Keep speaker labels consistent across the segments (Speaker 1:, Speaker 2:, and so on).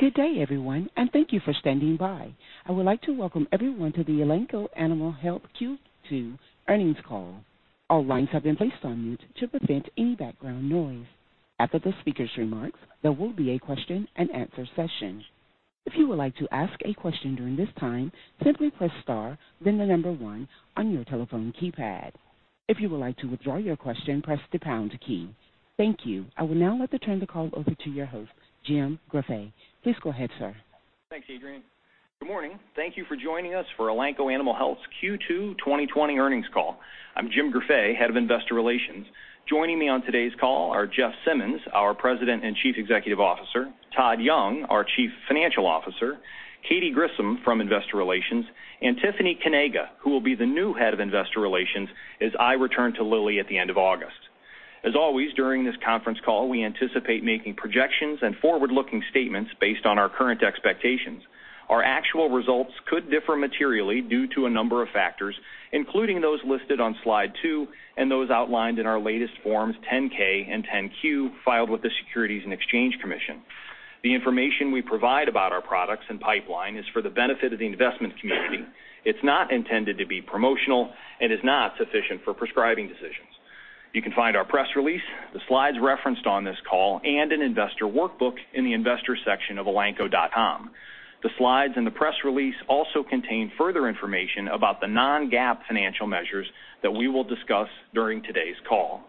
Speaker 1: Good day, everyone, and thank you for standing by. I would like to welcome everyone to the Elanco Animal Health Q2 earnings call. All lines have been placed on mute to prevent any background noise. After the speaker's remarks, there will be a question-and-answer session. If you would like to ask a question during this time, simply press star, then the number one on your telephone keypad. If you would like to withdraw your question, press the pound key. Thank you. I will now like to turn the call over to your host, Jim Greffet. Please go ahead, sir.
Speaker 2: Thanks, Adrienne. Good morning. Thank you for joining us for Elanco Animal Health's Q2 2020 earnings call. I'm Jim Greffet, Head of Investor Relations. Joining me on today's call are Jeff Simmons, our President and Chief Executive Officer; Todd Young, our Chief Financial Officer; Katy Grissom from Investor Relations; and Tiffany Kanaga, who will be the new Head of Investor Relations as I return to Lilly at the end of August. As always, during this conference call, we anticipate making projections and forward-looking statements based on our current expectations. Our actual results could differ materially due to a number of factors, including those listed on slide two and those outlined in our latest Forms 10-K and 10-Q filed with the Securities and Exchange Commission. The information we provide about our products and pipeline is for the benefit of the investment community. It's not intended to be promotional and is not sufficient for prescribing decisions. You can find our press release, the slides referenced on this call, and an investor workbook in the investor section of elanco.com. The slides and the press release also contain further information about the non-GAAP financial measures that we will discuss during today's call.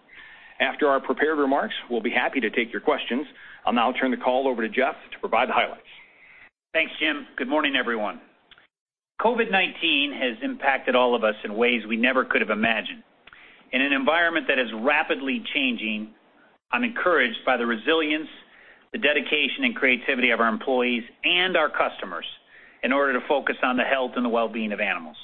Speaker 2: After our prepared remarks, we'll be happy to take your questions. I'll now turn the call over to Jeff to provide the highlights.
Speaker 3: Thanks, Jim. Good morning, everyone. COVID-19 has impacted all of us in ways we never could have imagined. In an environment that is rapidly changing, I'm encouraged by the resilience, the dedication, and creativity of our employees and our customers in order to focus on the health and the well-being of animals.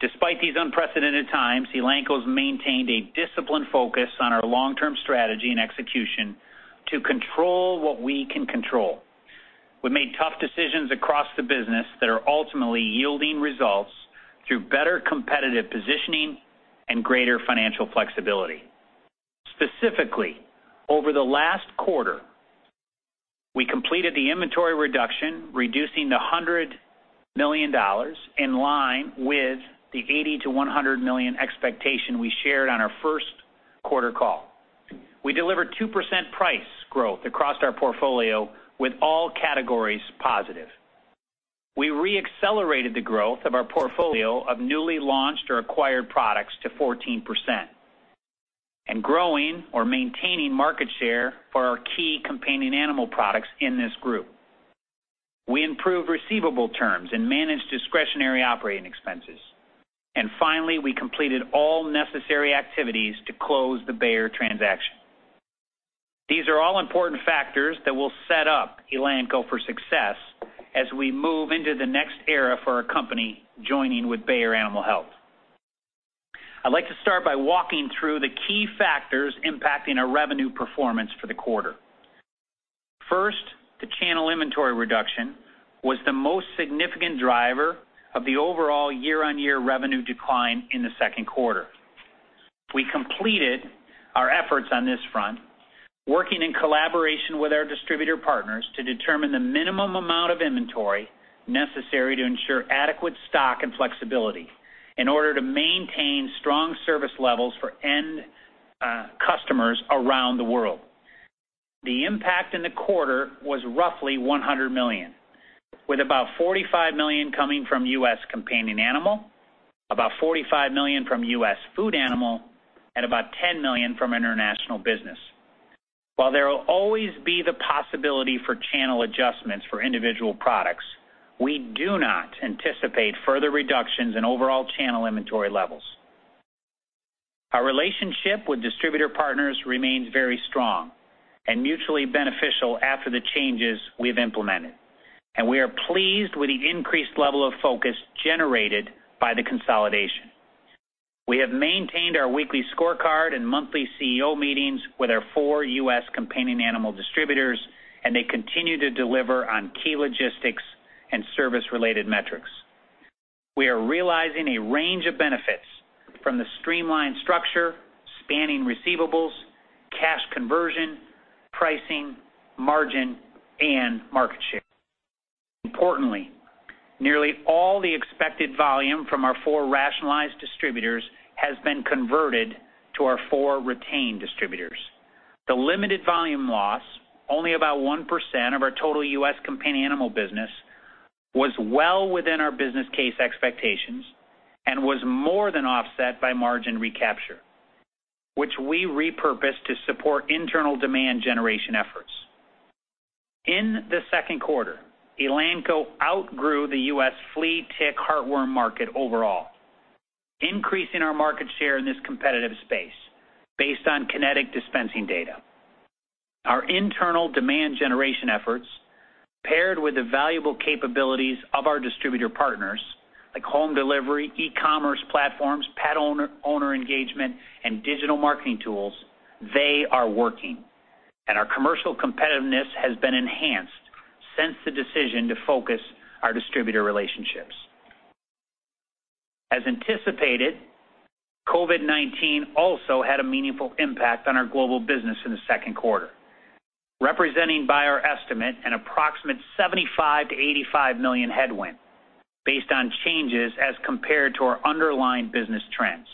Speaker 3: Despite these unprecedented times, Elanco's maintained a disciplined focus on our long-term strategy and execution to control what we can control. We made tough decisions across the business that are ultimately yielding results through better competitive positioning and greater financial flexibility. Specifically, over the last quarter, we completed the inventory reduction, reducing the $100 million in line with the $80 million-$100 million expectation we shared on our first quarter call. We delivered 2% price growth across our portfolio with all categories positive. We re-accelerated the growth of our portfolio of newly launched or acquired products to 14% and growing or maintaining market share for our key companion animal products in this group. We improved receivable terms and managed discretionary operating expenses, and finally, we completed all necessary activities to close the Bayer transaction. These are all important factors that will set up Elanco for success as we move into the next era for our company joining with Bayer Animal Health. I'd like to start by walking through the key factors impacting our revenue performance for the quarter. First, the channel inventory reduction was the most significant driver of the overall year-on-year revenue decline in the second quarter. We completed our efforts on this front, working in collaboration with our distributor partners to determine the minimum amount of inventory necessary to ensure adequate stock and flexibility in order to maintain strong service levels for end customers around the world. The impact in the quarter was roughly $100 million, with about $45 million coming from U.S. companion animal, about $45 million from U.S. food animal, and about $10 million from international business. While there will always be the possibility for channel adjustments for individual products, we do not anticipate further reductions in overall channel inventory levels. Our relationship with distributor partners remains very strong and mutually beneficial after the changes we've implemented, and we are pleased with the increased level of focus generated by the consolidation. We have maintained our weekly scorecard and monthly CEO meetings with our four U.S. Companion animal distributors, and they continue to deliver on key logistics and service-related metrics. We are realizing a range of benefits from the streamlined structure, spanning receivables, cash conversion, pricing, margin, and market share. Importantly, nearly all the expected volume from our four rationalized distributors has been converted to our four retained distributors. The limited volume loss, only about 1% of our total U.S. companion animal business, was well within our business case expectations and was more than offset by margin recapture, which we repurposed to support internal demand generation efforts. In the second quarter, Elanco outgrew the U.S. flea tick, heartworm market overall, increasing our market share in this competitive space based on Kynetec dispensing data. Our internal demand generation efforts, paired with the valuable capabilities of our distributor partners like home delivery, e-commerce platforms, pet owner engagement, and digital marketing tools, they are working, and our commercial competitiveness has been enhanced since the decision to focus our distributor relationships. As anticipated, COVID-19 also had a meaningful impact on our global business in the second quarter, represented by our estimate, an approximate $75 million-$85 million headwind based on changes as compared to our underlying business trends.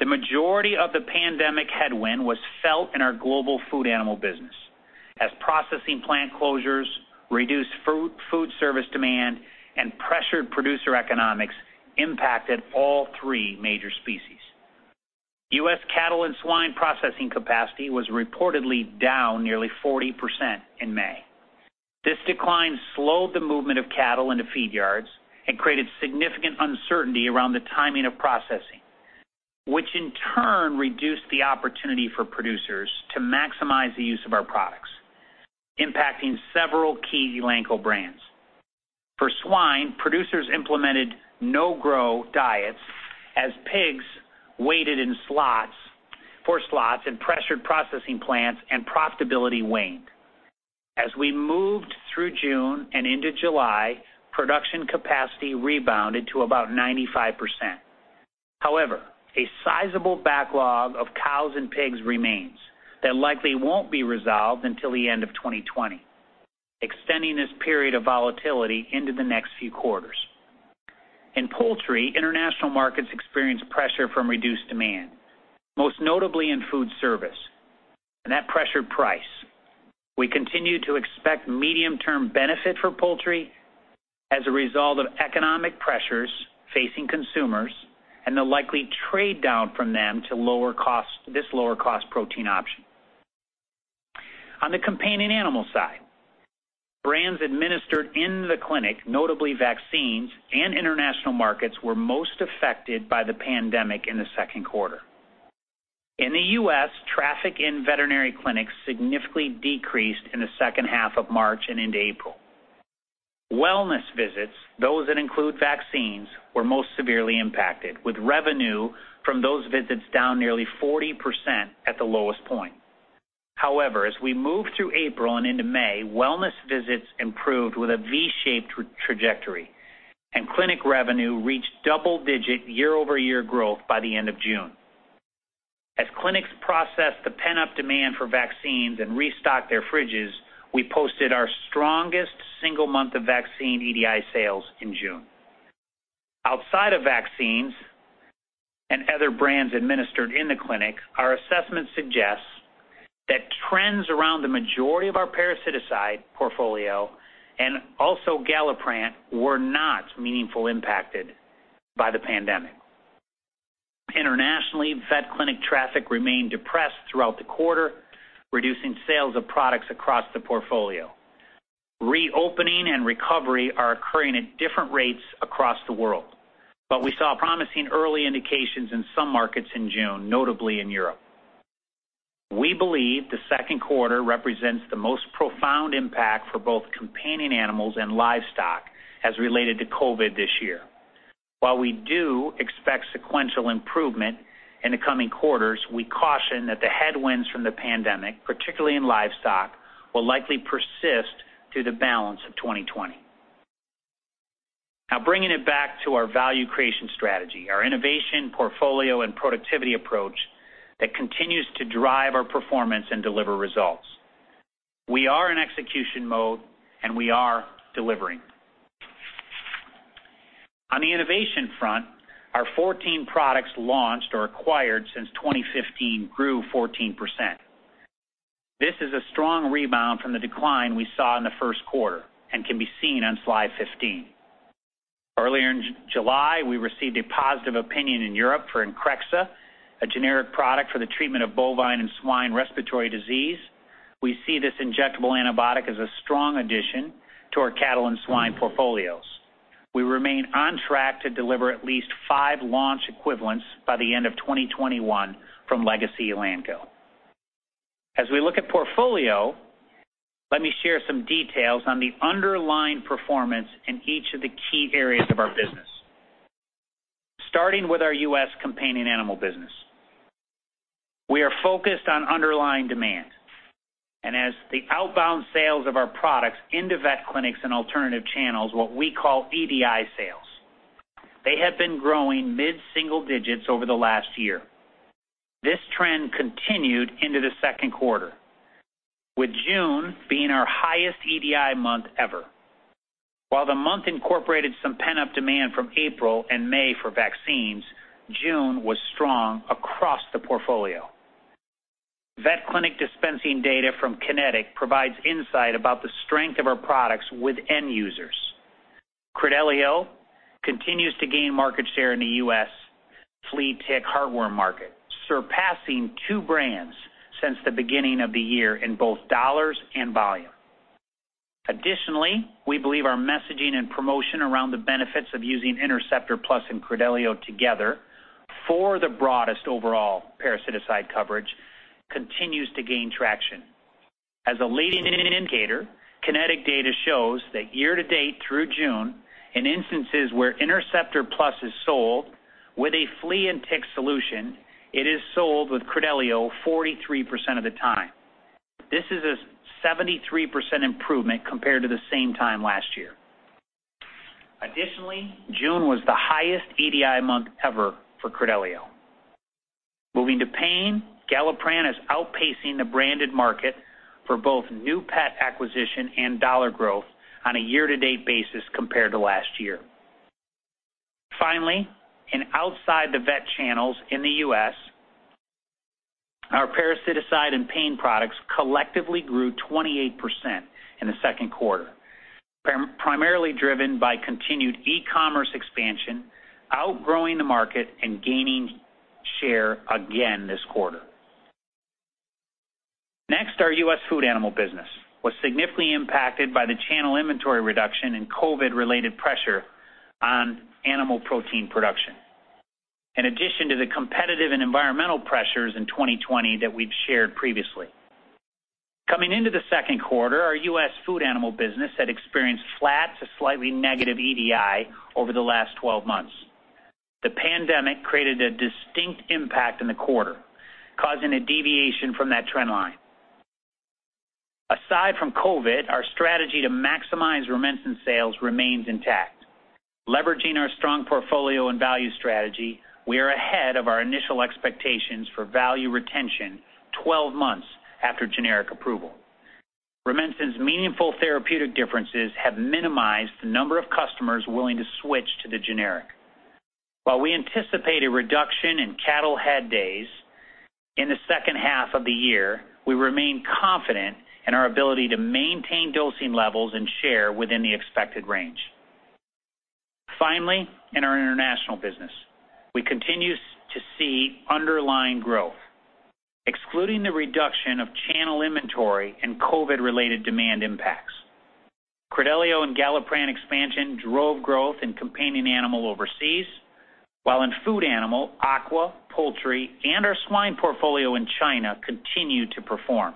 Speaker 3: The majority of the pandemic headwind was felt in our global food animal business, as processing plant closures, reduced food service demand, and pressured producer economics impacted all three major species. U.S. cattle and swine processing capacity was reportedly down nearly 40% in May. This decline slowed the movement of cattle into feed yards and created significant uncertainty around the timing of processing, which in turn reduced the opportunity for producers to maximize the use of our products, impacting several key Elanco brands. For swine, producers implemented no-grow diets as pigs waited in slots for slots and pressured processing plants, and profitability waned. As we moved through June and into July, production capacity rebounded to about 95%. However, a sizable backlog of cows and pigs remains that likely won't be resolved until the end of 2020, extending this period of volatility into the next few quarters. In poultry, international markets experience pressure from reduced demand, most notably in food service, and that pressured price. We continue to expect medium-term benefit for poultry as a result of economic pressures facing consumers and the likely trade down from them to this lower-cost protein option. On the companion animal side, brands administered in the clinic, notably vaccines and international markets, were most affected by the pandemic in the second quarter. In the U.S., traffic in veterinary clinics significantly decreased in the second half of March and into April. Wellness visits, those that include vaccines, were most severely impacted, with revenue from those visits down nearly 40% at the lowest point. However, as we moved through April and into May, wellness visits improved with a V-shaped trajectory, and clinic revenue reached double-digit year-over-year growth by the end of June. As clinics processed the pent-up demand for vaccines and restocked their fridges, we posted our strongest single month of vaccine EDI sales in June. Outside of vaccines and other brands administered in the clinic, our assessment suggests that trends around the majority of our parasiticide portfolio and also Galliprant were not meaningfully impacted by the pandemic. Internationally, vet clinic traffic remained depressed throughout the quarter, reducing sales of products across the portfolio. Reopening and recovery are occurring at different rates across the world, but we saw promising early indications in some markets in June, notably in Europe. We believe the second quarter represents the most profound impact for both companion animals and livestock as related to COVID this year. While we do expect sequential improvement in the coming quarters, we caution that the headwinds from the pandemic, particularly in livestock, will likely persist through the balance of 2020. Now, bringing it back to our value creation strategy, our innovation portfolio and productivity approach that continues to drive our performance and deliver results. We are in execution mode, and we are delivering. On the innovation front, our 14 products launched or acquired since 2015 grew 14%. This is a strong rebound from the decline we saw in the first quarter and can be seen on slide 15. Earlier in July, we received a positive opinion in Europe for Increxxa, a generic product for the treatment of bovine and swine respiratory disease. We see this injectable antibiotic as a strong addition to our cattle and swine portfolios. We remain on track to deliver at least five launch equivalents by the end of 2021 from Legacy Elanco. As we look at portfolio, let me share some details on the underlying performance in each of the key areas of our business, starting with our U.S. companion animal business. We are focused on underlying demand, and as the outbound sales of our products into vet clinics and alternative channels, what we call EDI sales, they have been growing mid-single digits over the last year. This trend continued into the second quarter, with June being our highest EDI month ever. While the month incorporated some pent-up demand from April and May for vaccines, June was strong across the portfolio. Vet clinic dispensing data from Kynetec provides insight about the strength of our products with end users. Credelio continues to gain market share in the U.S. flea tick, heartworm market, surpassing two brands since the beginning of the year in both dollars and volume. Additionally, we believe our messaging and promotion around the benefits of using Interceptor Plus and Credelio together for the broadest overall parasiticide coverage continues to gain traction. As a leading indicator, Kynetec data shows that year-to-date through June, in instances where Interceptor Plus is sold with a flea and tick solution, it is sold with Credelio 43% of the time. This is a 73% improvement compared to the same time last year. Additionally, June was the highest EDI month ever for Credelio. Moving to pain, Galliprant is outpacing the branded market for both new pet acquisition and dollar growth on a year-to-date basis compared to last year. Finally, and outside the vet channels in the U.S., our parasiticide and pain products collectively grew 28% in the second quarter, primarily driven by continued e-commerce expansion, outgrowing the market and gaining share again this quarter. Next, our U.S. food animal business was significantly impacted by the channel inventory reduction and COVID-related pressure on animal protein production, in addition to the competitive and environmental pressures in 2020 that we've shared previously. Coming into the second quarter, our U.S. food animal business had experienced flat to slightly negative EDI over the last 12 months. The pandemic created a distinct impact in the quarter, causing a deviation from that trend line. Aside from COVID, our strategy to maximize Rumensin sales remains intact. Leveraging our strong portfolio and value strategy, we are ahead of our initial expectations for value retention 12 months after generic approval. Rumensin's meaningful therapeutic differences have minimized the number of customers willing to switch to the generic. While we anticipate a reduction in cattle head days in the second half of the year, we remain confident in our ability to maintain dosing levels and share within the expected range. Finally, in our international business, we continue to see underlying growth, excluding the reduction of channel inventory and COVID-related demand impacts. Credelio and Galliprant expansion drove growth in companion animal overseas, while in food animal, aqua, poultry, and our swine portfolio in China continued to perform.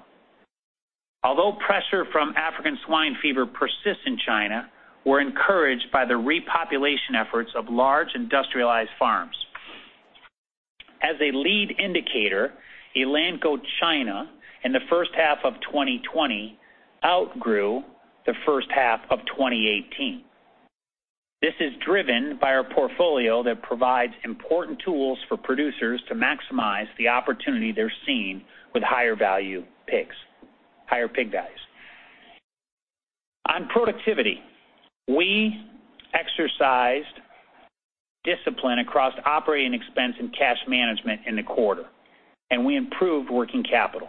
Speaker 3: Although pressure from African Swine Fever persists in China, we're encouraged by the repopulation efforts of large industrialized farms. As a lead indicator, Elanco China in the first half of 2020 outgrew the first half of 2018. This is driven by our portfolio that provides important tools for producers to maximize the opportunity they're seeing with higher value pigs, higher pig values. On productivity, we exercised discipline across operating expense and cash management in the quarter, and we improved working capital.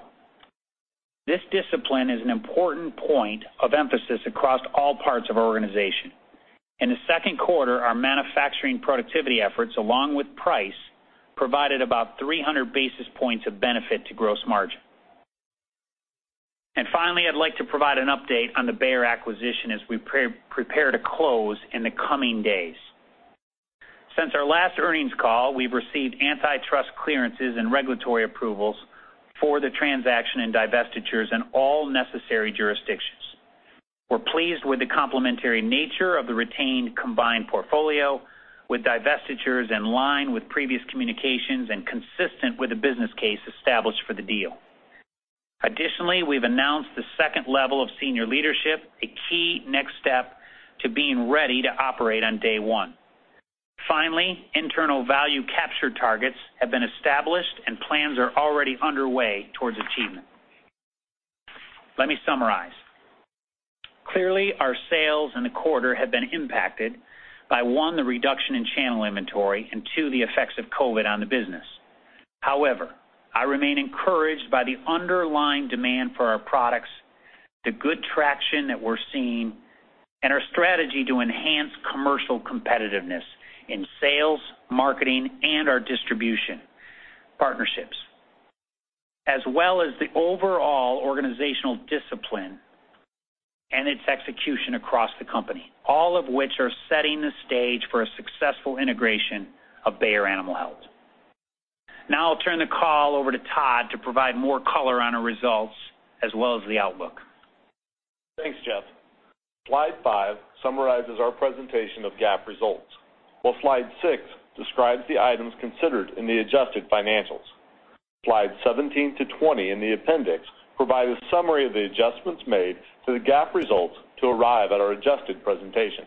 Speaker 3: This discipline is an important point of emphasis across all parts of our organization. In the second quarter, our manufacturing productivity efforts, along with price, provided about 300 basis points of benefit to gross margin. And finally, I'd like to provide an update on the Bayer acquisition as we prepare to close in the coming days. Since our last earnings call, we've received antitrust clearances and regulatory approvals for the transaction and divestitures in all necessary jurisdictions. We're pleased with the complementary nature of the retained combined portfolio, with divestitures in line with previous communications and consistent with the business case established for the deal. Additionally, we've announced the second level of senior leadership, a key next step to being ready to operate on day one. Finally, internal value capture targets have been established, and plans are already underway towards achievement. Let me summarize. Clearly, our sales in the quarter have been impacted by, one, the reduction in channel inventory and, two, the effects of COVID on the business. However, I remain encouraged by the underlying demand for our products, the good traction that we're seeing, and our strategy to enhance commercial competitiveness in sales, marketing, and our distribution partnerships, as well as the overall organizational discipline and its execution across the company, all of which are setting the stage for a successful integration of Bayer Animal Health. Now, I'll turn the call over to Todd to provide more color on our results as well as the outlook.
Speaker 4: Thanks, Jeff. Slide five summarizes our presentation of GAAP results, while Slide six describes the items considered in the adjusted financials. Slides 17 to 20 in the appendix provide a summary of the adjustments made to the GAAP results to arrive at our adjusted presentation.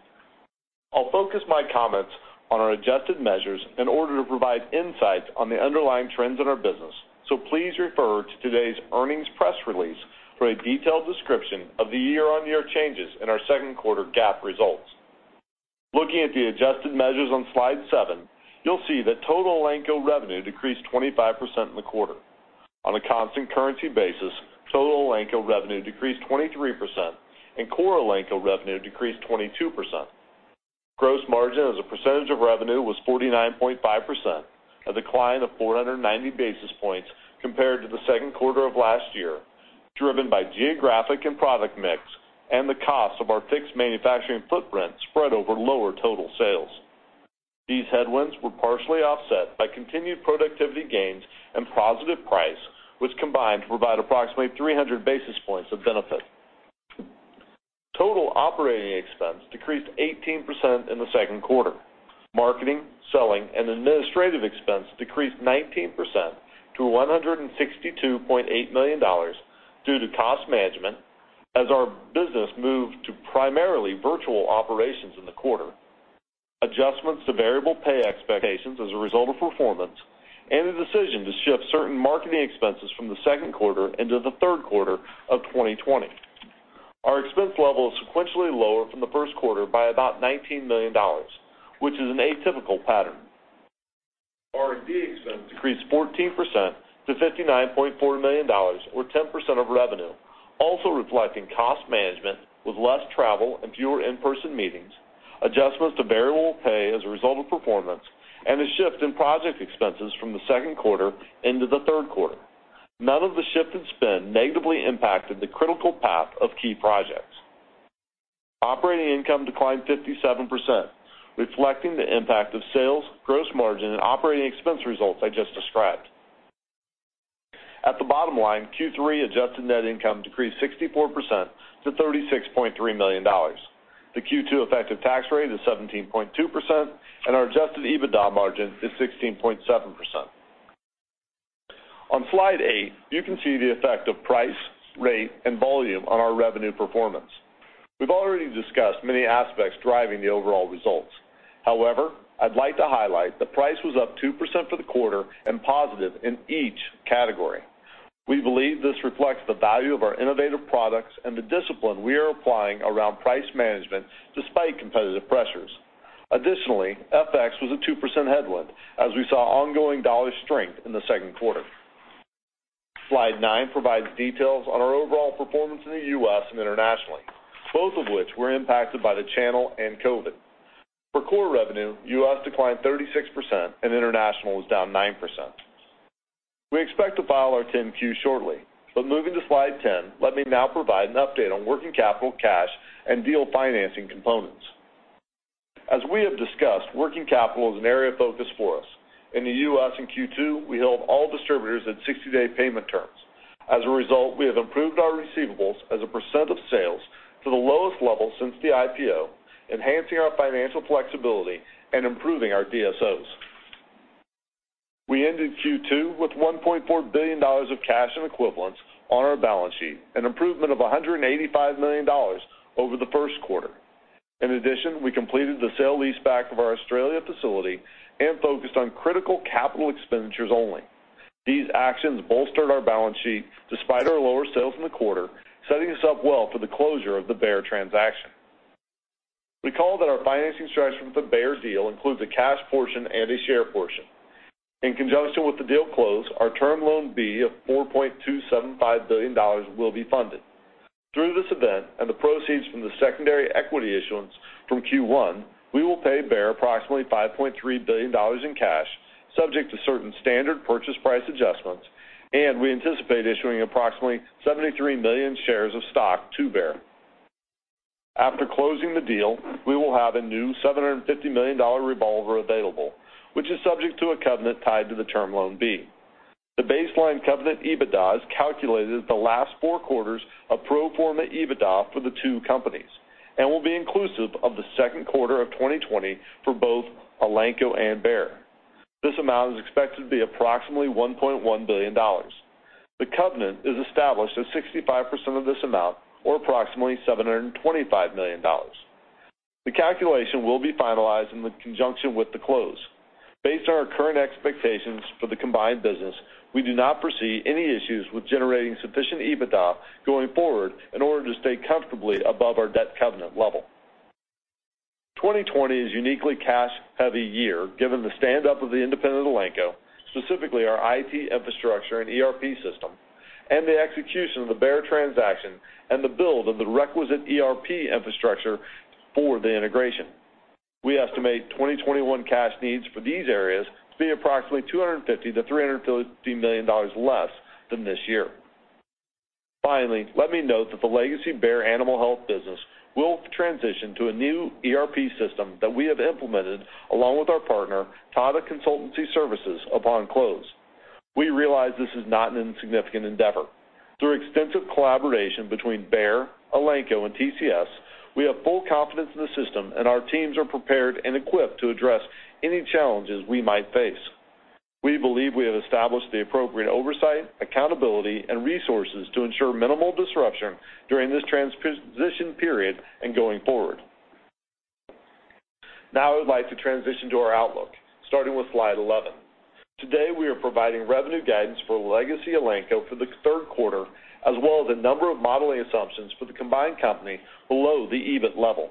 Speaker 4: I'll focus my comments on our adjusted measures in order to provide insights on the underlying trends in our business, so please refer to today's earnings press release for a detailed description of the year-on-year changes in our second quarter GAAP results. Looking at the adjusted measures on Slide 7, you'll see that total Elanco revenue decreased 25% in the quarter. On a constant currency basis, total Elanco revenue decreased 23%, and core Elanco revenue decreased 22%. Gross margin as a percentage of revenue was 49.5%, a decline of 490 basis points compared to the second quarter of last year, driven by geographic and product mix and the cost of our fixed manufacturing footprint spread over lower total sales. These headwinds were partially offset by continued productivity gains and positive price, which combined provide approximately 300 basis points of benefit. Total operating expense decreased 18% in the second quarter. Marketing, selling, and administrative expense decreased 19% to $162.8 million due to cost management as our business moved to primarily virtual operations in the quarter, adjustments to variable pay expectations as a result of performance, and a decision to shift certain marketing expenses from the second quarter into the third quarter of 2020. Our expense level is sequentially lower from the first quarter by about $19 million, which is an atypical pattern. R&D expense decreased 14% to $59.4 million, or 10% of revenue, also reflecting cost management with less travel and fewer in-person meetings, adjustments to variable pay as a result of performance, and a shift in project expenses from the second quarter into the third quarter. None of the shifted spend negatively impacted the critical path of key projects. Operating income declined 57%, reflecting the impact of sales, gross margin, and operating expense results I just described. At the bottom line, Q3 adjusted net income decreased 64% to $36.3 million. The Q2 effective tax rate is 17.2%, and our adjusted EBITDA margin is 16.7%. On Slide 8, you can see the effect of price, rate, and volume on our revenue performance. We've already discussed many aspects driving the overall results. However, I'd like to highlight that price was up 2% for the quarter and positive in each category. We believe this reflects the value of our innovative products and the discipline we are applying around price management despite competitive pressures. Additionally, FX was a 2% headwind as we saw ongoing dollar strength in the second quarter. Slide 9 provides details on our overall performance in the U.S. and internationally, both of which were impacted by the channel and COVID. For core revenue, U.S. declined 36%, and international was down 9%. We expect to file our 10-Q shortly, but moving to Slide 10, let me now provide an update on working capital, cash, and deal financing components. As we have discussed, working capital is an area of focus for us. In the U.S. in Q2, we held all distributors at 60-day payment terms. As a result, we have improved our receivables as a percent of sales to the lowest level since the IPO, enhancing our financial flexibility and improving our DSOs. We ended Q2 with $1.4 billion of cash and equivalents on our balance sheet, an improvement of $185 million over the first quarter. In addition, we completed the sale-leaseback of our Australia facility and focused on critical capital expenditures only. These actions bolstered our balance sheet despite our lower sales in the quarter, setting us up well for the closure of the Bayer transaction. Recall that our financing structure for the Bayer deal includes a cash portion and a share portion. In conjunction with the deal close, our Term Loan B of $4.275 billion will be funded. Through this event and the proceeds from the secondary equity issuance from Q1, we will pay Bayer approximately $5.3 billion in cash, subject to certain standard purchase price adjustments, and we anticipate issuing approximately 73 million shares of stock to Bayer. After closing the deal, we will have a new $750 million revolver available, which is subject to a covenant tied to the Term Loan B. The baseline covenant EBITDA is calculated as the last four quarters of pro forma EBITDA for the two companies and will be inclusive of the second quarter of 2020 for both Elanco and Bayer. This amount is expected to be approximately $1.1 billion. The covenant is established at 65% of this amount, or approximately $725 million. The calculation will be finalized in conjunction with the close. Based on our current expectations for the combined business, we do not foresee any issues with generating sufficient EBITDA going forward in order to stay comfortably above our debt covenant level. 2020 is a uniquely cash-heavy year given the stand-up of the independent Elanco, specifically our IT infrastructure and ERP system, and the execution of the Bayer transaction and the build of the requisite ERP infrastructure for the integration. We estimate 2021 cash needs for these areas to be approximately $250 million-$350 million less than this year. Finally, let me note that the Legacy Bayer Animal Health business will transition to a new ERP system that we have implemented along with our partner, Tata Consultancy Services, upon close. We realize this is not an insignificant endeavor. Through extensive collaboration between Bayer, Elanco, and TCS, we have full confidence in the system, and our teams are prepared and equipped to address any challenges we might face. We believe we have established the appropriate oversight, accountability, and resources to ensure minimal disruption during this transition period and going forward. Now, I would like to transition to our outlook, starting with Slide 11. Today, we are providing revenue guidance for Legacy Elanco for the third quarter, as well as a number of modeling assumptions for the combined company below the EBIT level.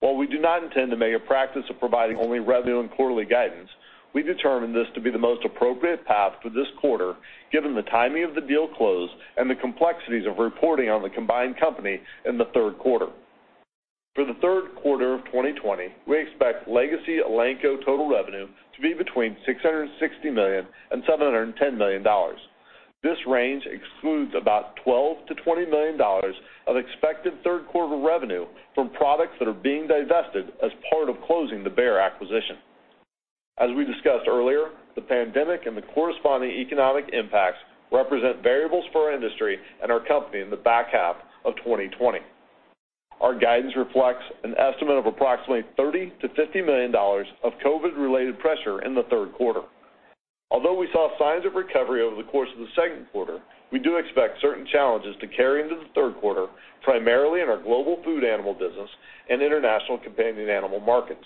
Speaker 4: While we do not intend to make a practice of providing only revenue and quarterly guidance, we determined this to be the most appropriate path for this quarter, given the timing of the deal close and the complexities of reporting on the combined company in the third quarter. For the third quarter of 2020, we expect Legacy Elanco total revenue to be between $660 million and $710 million. This range excludes about $12 million-$20 million of expected third-quarter revenue from products that are being divested as part of closing the Bayer acquisition. As we discussed earlier, the pandemic and the corresponding economic impacts represent variables for our industry and our company in the back half of 2020. Our guidance reflects an estimate of approximately $30 million-$50 million of COVID-related pressure in the third quarter. Although we saw signs of recovery over the course of the second quarter, we do expect certain challenges to carry into the third quarter, primarily in our global food animal business and international companion animal markets.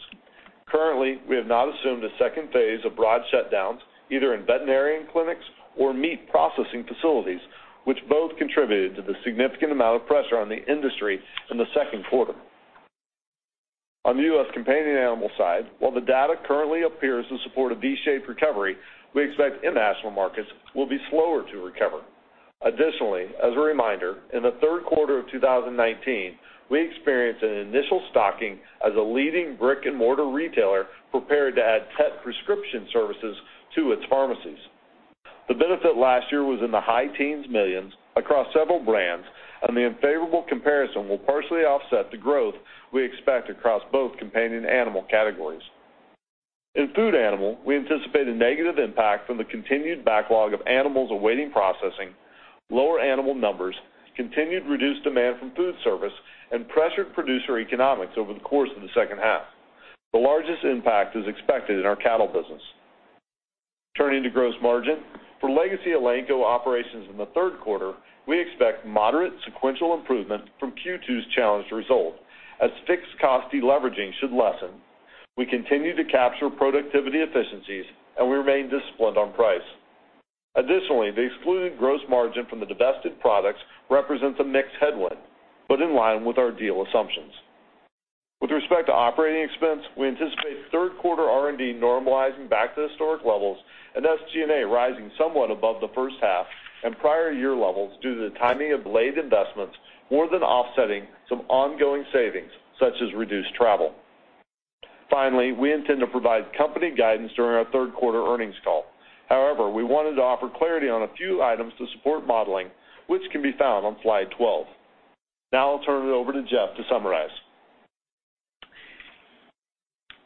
Speaker 4: Currently, we have not assumed a second phase of broad shutdowns, either in veterinary clinics or meat processing facilities, which both contributed to the significant amount of pressure on the industry in the second quarter. On the U.S. companion animal side, while the data currently appears to support a V-shaped recovery, we expect international markets will be slower to recover. Additionally, as a reminder, in the third quarter of 2019, we experienced an initial stocking as a leading brick-and-mortar retailer prepared to add pet prescription services to its pharmacies. The benefit last year was in the high teens millions across several brands, and the unfavorable comparison will partially offset the growth we expect across both companion animal categories. In food animal, we anticipate a negative impact from the continued backlog of animals awaiting processing, lower animal numbers, continued reduced demand from food service, and pressured producer economics over the course of the second half. The largest impact is expected in our cattle business. Turning to gross margin, for Legacy Elanco operations in the third quarter, we expect moderate sequential improvement from Q2's challenged result, as fixed cost deleveraging should lessen. We continue to capture productivity efficiencies, and we remain disciplined on price. Additionally, the excluded gross margin from the divested products represents a mixed headwind, but in line with our deal assumptions. With respect to operating expense, we anticipate third-quarter R&D normalizing back to historic levels, and SG&A rising somewhat above the first half and prior year levels due to the timing of late investments more than offsetting some ongoing savings, such as reduced travel. Finally, we intend to provide company guidance during our third-quarter earnings call. However, we wanted to offer clarity on a few items to support modeling, which can be found on Slide 12. Now, I'll turn it over to Jeff to summarize.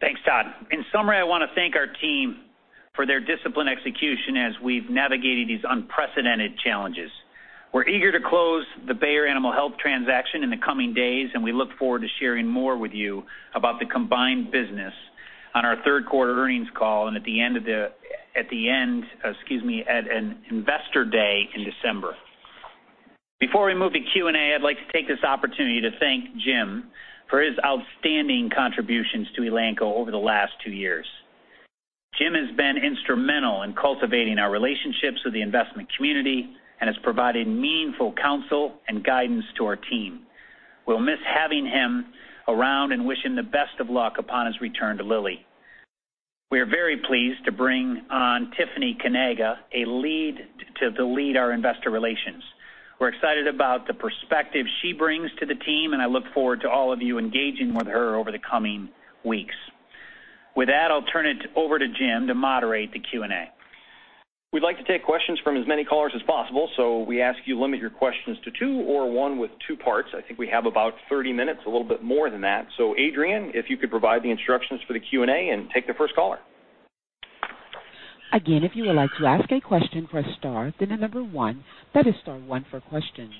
Speaker 3: Thanks, Todd. In summary, I want to thank our team for their disciplined execution as we've navigated these unprecedented challenges. We're eager to close the Bayer Animal Health transaction in the coming days, and we look forward to sharing more with you about the combined business on our third-quarter earnings call and at the end, excuse me, at an investor day in December. Before we move to Q&A, I'd like to take this opportunity to thank Jim for his outstanding contributions to Elanco over the last two years. Jim has been instrumental in cultivating our relationships with the investment community and has provided meaningful counsel and guidance to our team. We'll miss having him around and wish him the best of luck upon his return to Lilly. We are very pleased to bring on Tiffany Kanaga to lead our investor relations. We're excited about the perspective she brings to the team, and I look forward to all of you engaging with her over the coming weeks. With that, I'll turn it over to Jim to moderate the Q&A. We'd like to take questions from as many callers as possible, so we ask you to limit your questions to two or one with two parts. I think we have about 30 minutes, a little bit more than that. Adrienne, if you could provide the instructions for the Q&A and take the first caller.
Speaker 1: Again, if you would like to ask a question, press star, then the number one. That is star one for questions.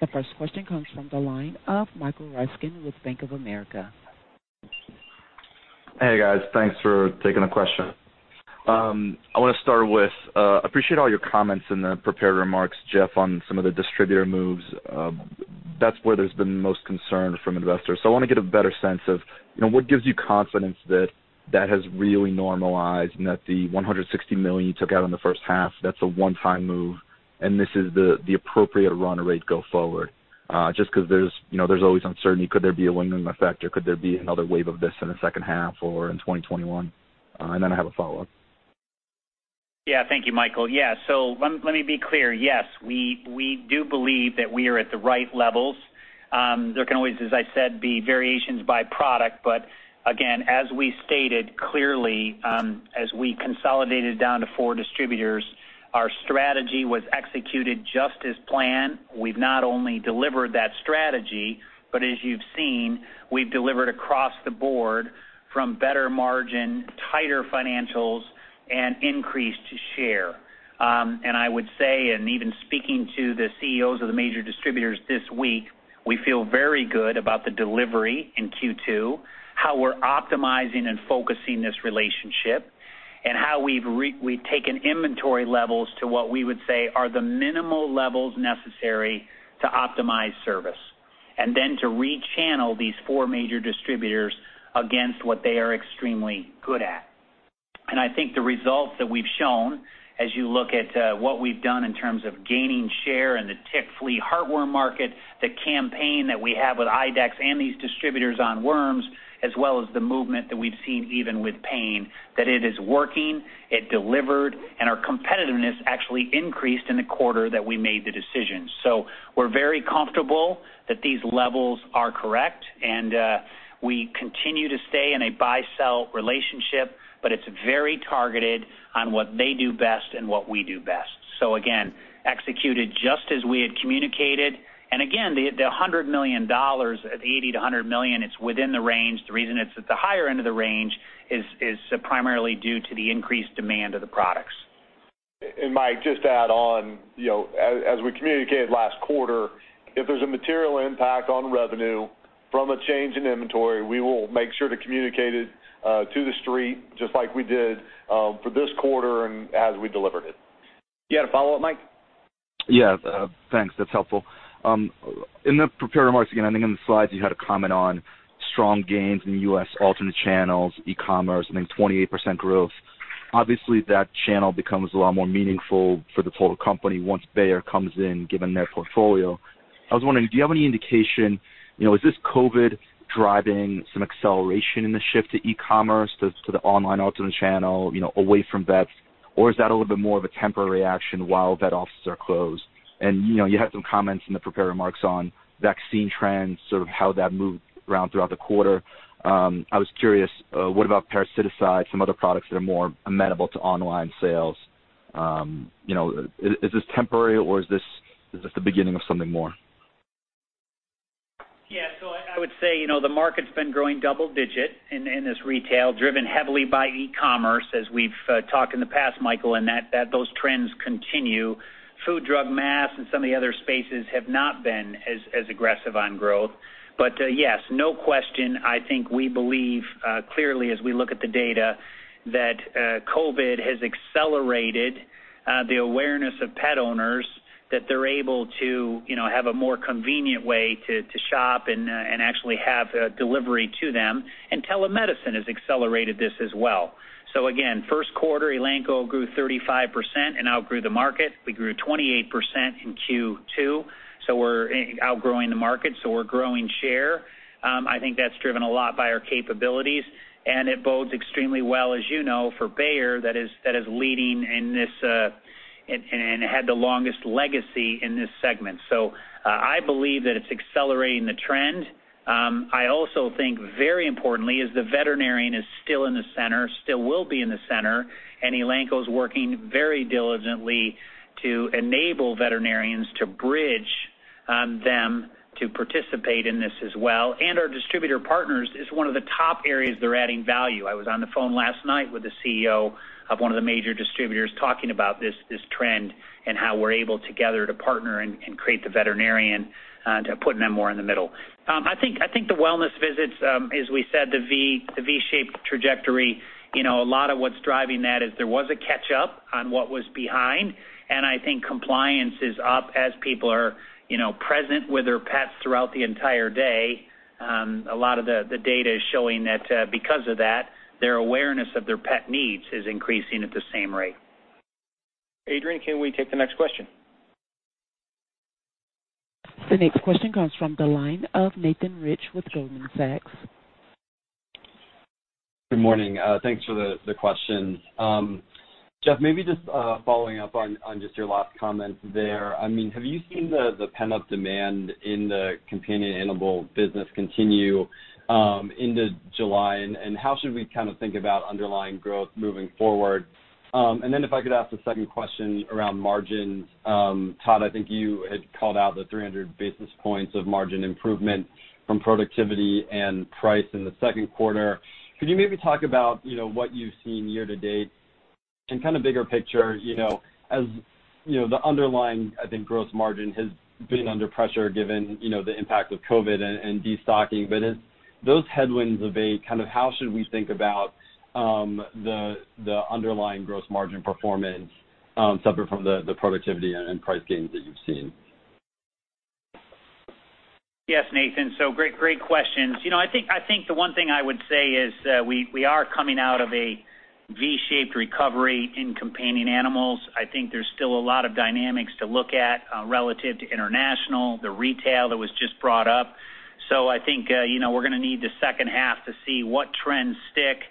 Speaker 1: The first question comes from the line of Michael Ryskin with Bank of America.
Speaker 5: Hey, guys. Thanks for taking the question. I want to start with, I appreciate all your comments and the prepared remarks, Jeff, on some of the distributor moves. That's where there's been the most concern from investors. So I want to get a better sense of what gives you confidence that that has really normalized and that the $160 million you took out in the first half, that's a one-time move, and this is the appropriate run rate go forward, just because there's always uncertainty. Could there be a lingering effect? Or could there be another wave of this in the second half or in 2021? And then I have a follow-up.
Speaker 3: Yeah. Thank you, Michael. Yeah. So let me be clear. Yes, we do believe that we are at the right levels. There can always, as I said, be variations by product, but again, as we stated clearly, as we consolidated down to four distributors, our strategy was executed just as planned. We've not only delivered that strategy, but as you've seen, we've delivered across the board from better margin, tighter financials, and increased share. And I would say, and even speaking to the CEOs of the major distributors this week, we feel very good about the delivery in Q2, how we're optimizing and focusing this relationship, and how we've taken inventory levels to what we would say are the minimal levels necessary to optimize service, and then to re-channel these four major distributors against what they are extremely good at. I think the results that we've shown, as you look at what we've done in terms of gaining share in the tick, flea, heartworm market, the campaign that we have with IDEXX and these distributors on worms, as well as the movement that we've seen even with pain, that it is working, it delivered, and our competitiveness actually increased in the quarter that we made the decision. We're very comfortable that these levels are correct, and we continue to stay in a buy-sell relationship, but it's very targeted on what they do best and what we do best. Again, executed just as we had communicated. Again, the $100 million, the $80 million-$100 million, it's within the range. The reason it's at the higher end of the range is primarily due to the increased demand of the products.
Speaker 4: And Mike, just to add on, as we communicated last quarter, if there's a material impact on revenue from a change in inventory, we will make sure to communicate it to the street, just like we did for this quarter and as we delivered it.
Speaker 3: You had a follow-up, Mike?
Speaker 5: Yeah. Thanks. That's helpful. In the prepared remarks, again, I think in the slides you had a comment on strong gains in U.S. alternate channels, e-commerce, I think 28% growth. Obviously, that channel becomes a lot more meaningful for the total company once Bayer comes in, given their portfolio. I was wondering, do you have any indication? Is this COVID driving some acceleration in the shift to e-commerce, to the online alternate channel, away from vets, or is that a little bit more of a temporary action while vet offices are closed? And you had some comments in the prepared remarks on vaccine trends, sort of how that moved around throughout the quarter. I was curious, what about parasiticides, some other products that are more amenable to online sales? Is this temporary, or is this the beginning of something more?
Speaker 3: Yeah. So I would say the market's been growing double-digit in this retail, driven heavily by e-commerce, as we've talked in the past, Michael, and that those trends continue. Food, drug, mass, and some of the other spaces have not been as aggressive on growth. But yes, no question, I think we believe clearly, as we look at the data, that COVID has accelerated the awareness of pet owners, that they're able to have a more convenient way to shop and actually have delivery to them. And telemedicine has accelerated this as well. So again, first quarter, Elanco grew 35% and outgrew the market. We grew 28% in Q2. We're outgrowing the market, so we're growing share. I think that's driven a lot by our capabilities. It bodes extremely well, as you know, for Bayer that is leading in this and had the longest legacy in this segment. I believe that it's accelerating the trend. I also think, very importantly, the veterinarian is still in the center, still will be in the center, and Elanco's working very diligently to enable veterinarians to bridge them to participate in this as well. Our distributor partners is one of the top areas they're adding value. I was on the phone last night with the CEO of one of the major distributors talking about this trend and how we're able together to partner and create the veterinarian to put them more in the middle. I think the wellness visits, as we said, the V-shaped trajectory. A lot of what's driving that is there was a catch-up on what was behind. I think compliance is up as people are present with their pets throughout the entire day. A lot of the data is showing that because of that, their awareness of their pet needs is increasing at the same rate.
Speaker 2: Adrienne, can we take the next question?
Speaker 1: The next question comes from the line of Nathan Rich with Goldman Sachs.
Speaker 6: Good morning. Thanks for the question. Jeff, maybe just following up on just your last comment there. I mean, have you seen the pent-up demand in the companion animal business continue into July, and how should we kind of think about underlying growth moving forward? And then if I could ask the second question around margins. Todd, I think you had called out the 300 basis points of margin improvement from productivity and price in the second quarter. Could you maybe talk about what you've seen year-to-date and kind of bigger picture? As the underlying, I think, gross margin has been under pressure given the impact of COVID and destocking, but those headwinds of a kind of how should we think about the underlying gross margin performance separate from the productivity and price gains that you've seen?
Speaker 3: Yes, Nathan. So great questions. I think the one thing I would say is we are coming out of a V-shaped recovery in companion animals. I think there's still a lot of dynamics to look at relative to international, the retail that was just brought up. I think we're going to need the second half to see what trends stick.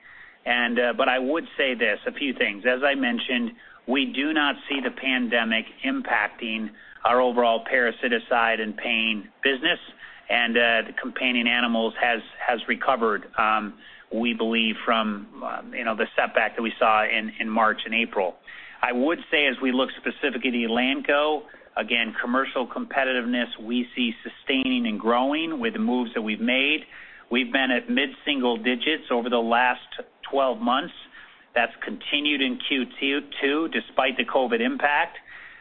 Speaker 3: But I would say this, a few things. As I mentioned, we do not see the pandemic impacting our overall parasiticide and pain business, and the companion animals have recovered, we believe, from the setback that we saw in March and April. I would say, as we look specifically to Elanco, again, commercial competitiveness, we see sustaining and growing with the moves that we've made. We've been at mid-single digits over the last 12 months. That's continued in Q2 despite the COVID impact.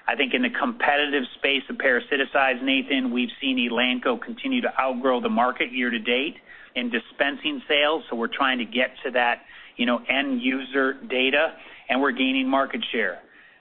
Speaker 3: I think in the competitive space of parasiticides, Nathan, we've seen Elanco continue to outgrow the market year to date in dispensing sales. So we're trying to get to that end user data, and we're gaining market share.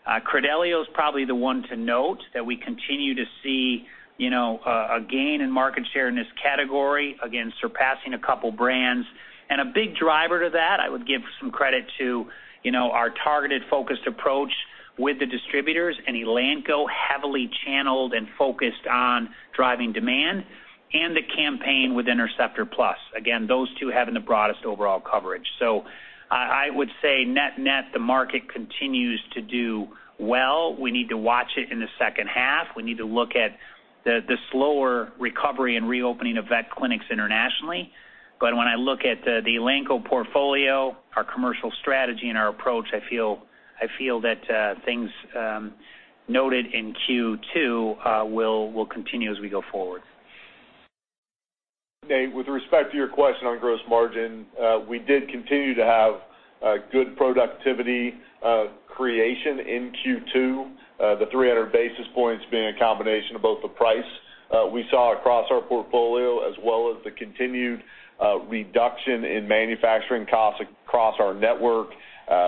Speaker 3: Credelio is probably the one to note that we continue to see a gain in market share in this category, again, surpassing a couple of brands. And a big driver to that, I would give some credit to our targeted focused approach with the distributors, and Elanco heavily channeled and focused on driving demand, and the campaign with Interceptor Plus. Again, those two have the broadest overall coverage. So I would say net net, the market continues to do well. We need to watch it in the second half. We need to look at the slower recovery and reopening of vet clinics internationally. But when I look at the Elanco portfolio, our commercial strategy, and our approach, I feel that things noted in Q2 will continue as we go forward.
Speaker 4: With respect to your question on gross margin, we did continue to have good productivity creation in Q2, the 300 basis points being a combination of both the price we saw across our portfolio as well as the continued reduction in manufacturing costs across our network.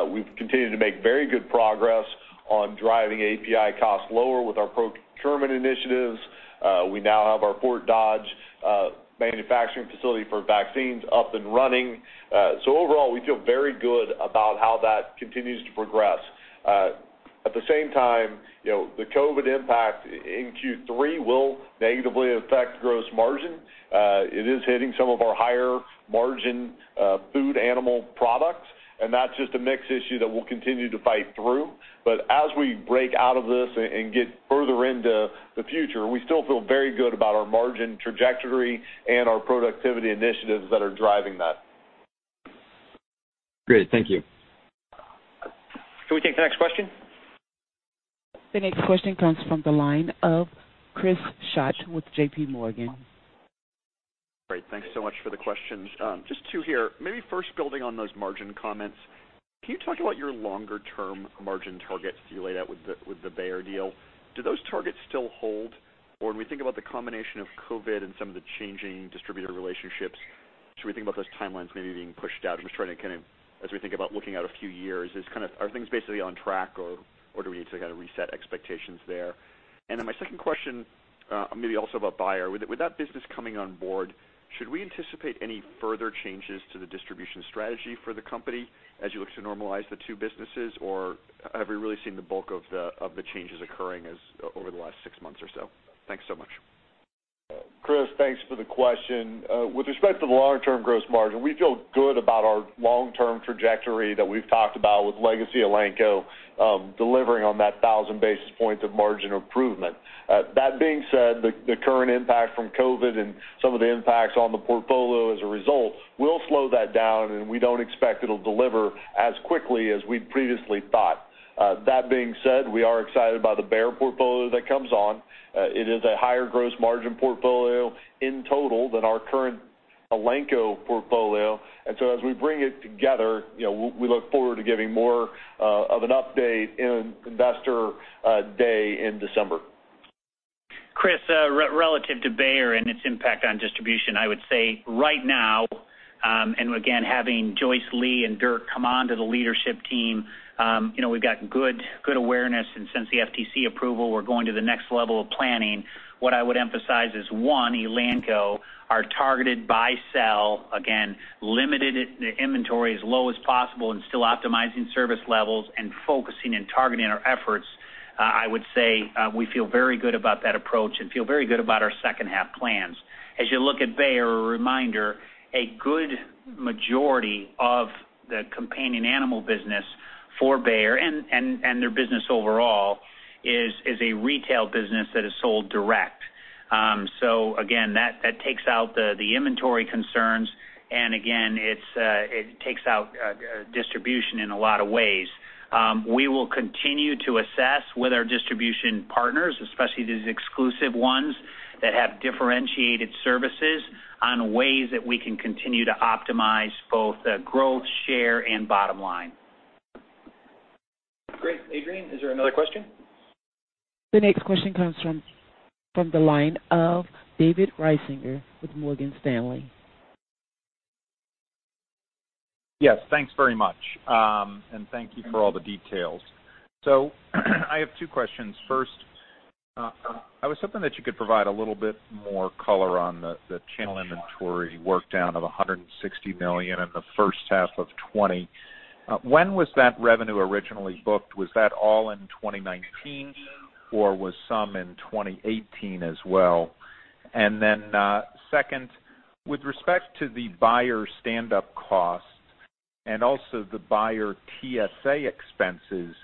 Speaker 4: We've continued to make very good progress on driving API costs lower with our procurement initiatives. We now have our Fort Dodge manufacturing facility for vaccines up and running. So overall, we feel very good about how that continues to progress. At the same time, the COVID impact in Q3 will negatively affect gross margin. It is hitting some of our higher margin food animal products, and that's just a mixed issue that we'll continue to fight through. But as we break out of this and get further into the future, we still feel very good about our margin trajectory and our productivity initiatives that are driving that.
Speaker 6: Great. Thank you.
Speaker 3: Can we take the next question?
Speaker 1: The next question comes from the line of Chris Schott with JPMorgan.
Speaker 7: Great. Thanks so much for the questions. Just two here. Maybe first building on those margin comments, can you talk about your longer-term margin targets that you laid out with the Bayer deal? Do those targets still hold? Or when we think about the combination of COVID and some of the changing distributor relationships, should we think about those timelines maybe being pushed out? I'm just trying to kind of, as we think about looking out a few years, are things basically on track, or do we need to kind of reset expectations there? And then my second question, maybe also about Bayer, with that business coming on board, should we anticipate any further changes to the distribution strategy for the company as you look to normalize the two businesses, or have we really seen the bulk of the changes occurring over the last six months or so? Thanks so much.
Speaker 4: Chris, thanks for the question. With respect to the longer-term gross margin, we feel good about our long-term trajectory that we've talked about with Legacy Elanco delivering on that 1,000 basis points of margin improvement. That being said, the current impact from COVID and some of the impacts on the portfolio as a result will slow that down, and we don't expect it'll deliver as quickly as we previously thought. That being said, we are excited by the Bayer portfolio that comes on. It is a higher gross margin portfolio in total than our current Elanco portfolio. And so as we bring it together, we look forward to giving more of an update in Investor Day in December.
Speaker 3: Chris, relative to Bayer and its impact on distribution, I would say right now, and again, having Joyce Lee and Dirk come on to the leadership team, we have got good awareness, and since the FTC approval, we are going to the next level of planning. What I would emphasize is, one, Elanco, our targeted buy-sell, again, limited inventory as low as possible and still optimizing service levels and focusing and targeting our efforts. I would say we feel very good about that approach and feel very good about our second half plans. As you look at Bayer, a reminder, a good majority of the companion animal business for Bayer and their business overall is a retail business that is sold direct. So again, that takes out the inventory concerns, and again, it takes out distribution in a lot of ways. We will continue to assess with our distribution partners, especially these exclusive ones that have differentiated services, on ways that we can continue to optimize both growth, share, and bottom line.
Speaker 2: Great. Adrienne, is there another question?
Speaker 1: The next question comes from the line of David Risinger with Morgan Stanley.
Speaker 8: Yes. Thanks very much. And thank you for all the details. So I have two questions. First, I was hoping that you could provide a little bit more color on the channel inventory drawdown of $160 million in the first half of 2020. When was that revenue originally booked? Was that all in 2019, or was some in 2018 as well? And then second, with respect to the Bayer stand-up costs and also the Bayer TSA expenses,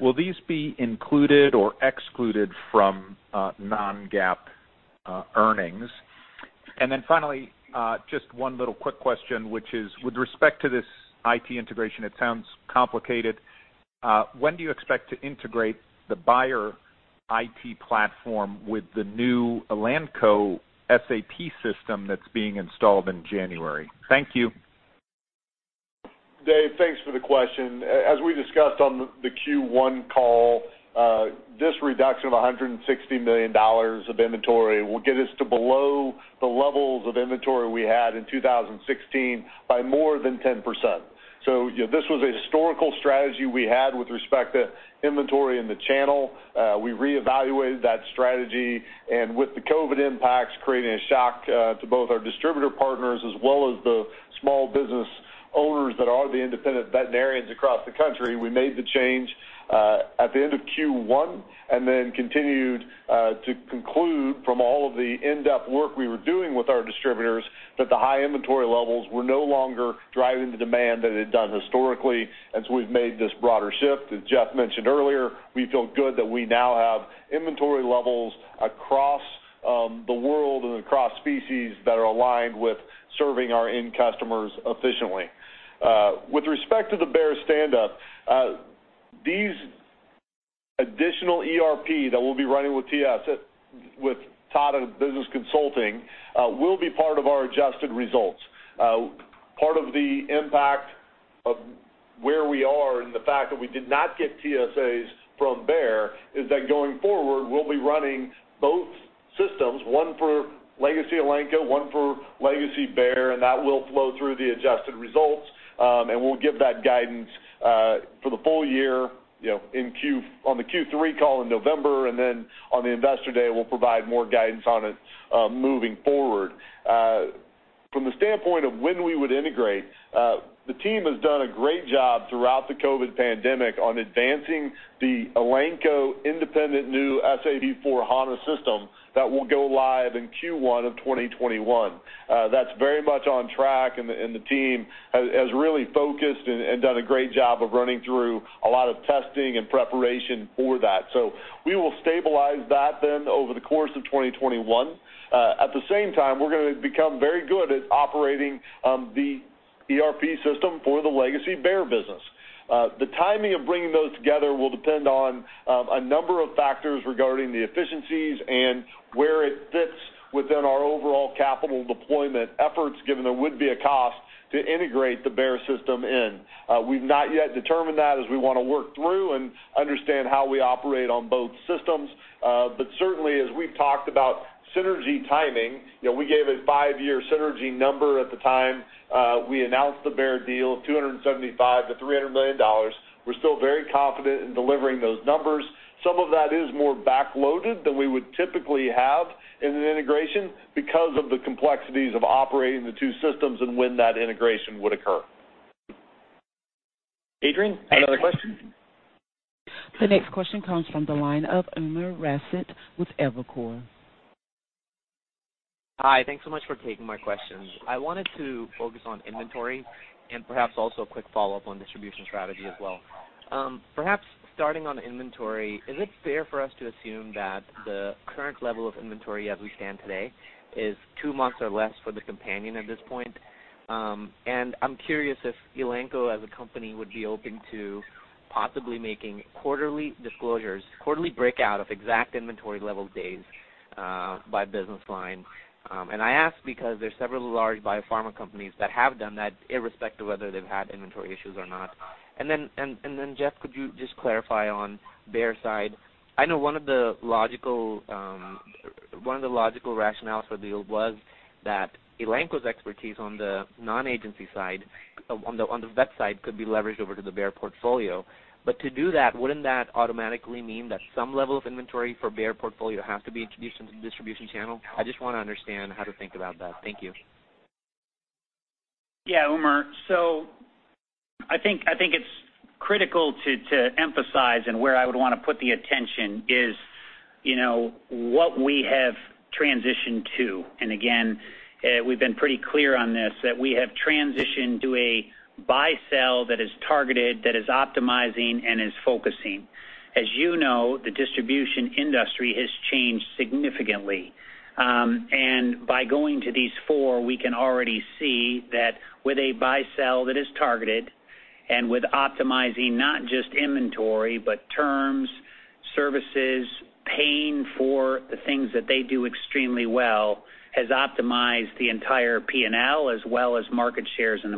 Speaker 8: will these be included or excluded from non-GAAP earnings? And then finally, just one little quick question, which is, with respect to this IT integration, it sounds complicated. When do you expect to integrate the Bayer IT platform with the new Elanco SAP system that's being installed in January? Thank you.
Speaker 4: Dave, thanks for the question. As we discussed on the Q1 call, this reduction of $160 million of inventory will get us to below the levels of inventory we had in 2016 by more than 10%. So this was a historical strategy we had with respect to inventory in the channel. We reevaluated that strategy, and with the COVID impacts creating a shock to both our distributor partners as well as the small business owners that are the independent veterinarians across the country, we made the change at the end of Q1 and then continued to conclude from all of the in-depth work we were doing with our distributors that the high inventory levels were no longer driving the demand that it had done historically, and so we've made this broader shift. As Jeff mentioned earlier, we feel good that we now have inventory levels across the world and across species that are aligned with serving our end customers efficiently. With respect to the Bayer stand-up, these additional ERP that we'll be running with TS, with Todd at Business Consulting, will be part of our adjusted results. Part of the impact of where we are and the fact that we did not get TSAs from Bayer is that going forward, we'll be running both systems, one for Legacy Elanco, one for Legacy Bayer, and that will flow through the adjusted results, and we'll give that guidance for the full year on the Q3 call in November, and then on the Investor day, we'll provide more guidance on it moving forward. From the standpoint of when we would integrate, the team has done a great job throughout the COVID pandemic on advancing the Elanco independent new SAP S/4HANA system that will go live in Q1 of 2021. That's very much on track, and the team has really focused and done a great job of running through a lot of testing and preparation for that, so we will stabilize that then over the course of 2021. At the same time, we're going to become very good at operating the ERP system for the Legacy Bayer business. The timing of bringing those together will depend on a number of factors regarding the efficiencies and where it fits within our overall capital deployment efforts, given there would be a cost to integrate the Bayer system in. We've not yet determined that as we want to work through and understand how we operate on both systems. But certainly, as we've talked about synergy timing, we gave a five-year synergy number at the time we announced the Bayer deal of $275 million-$300 million. We're still very confident in delivering those numbers. Some of that is more backloaded than we would typically have in an integration because of the complexities of operating the two systems and when that integration would occur.
Speaker 2: Adrienne, another question?
Speaker 1: The next question comes from the line of Umer Raffat with Evercore.
Speaker 9: Hi. Thanks so much for taking my questions. I wanted to focus on inventory and perhaps also a quick follow-up on distribution strategy as well. Perhaps starting on inventory, is it fair for us to assume that the current level of inventory as we stand today is two months or less for the companion at this point? And I'm curious if Elanco, as a company, would be open to possibly making quarterly disclosures, quarterly breakout of exact inventory level days by business line. And I ask because there are several large biopharma companies that have done that irrespective of whether they've had inventory issues or not. And then, Jeff, could you just clarify on Bayer side? I know one of the logical rationales for the deal was that Elanco's expertise on the non-agency side, on the vet side, could be leveraged over to the Bayer portfolio. But to do that, wouldn't that automatically mean that some level of inventory for Bayer portfolio has to be introduced into the distribution channel? I just want to understand how to think about that. Thank you.
Speaker 3: Yeah, Umer. So I think it's critical to emphasize and where I would want to put the attention is what we have transitioned to. And again, we've been pretty clear on this that we have transitioned to a buy-sell that is targeted, that is optimizing, and is focusing. As you know, the distribution industry has changed significantly. And by going to these four, we can already see that with a buy-sell that is targeted and with optimizing not just inventory, but terms, services, paying for the things that they do extremely well has optimized the entire P&L as well as market shares in the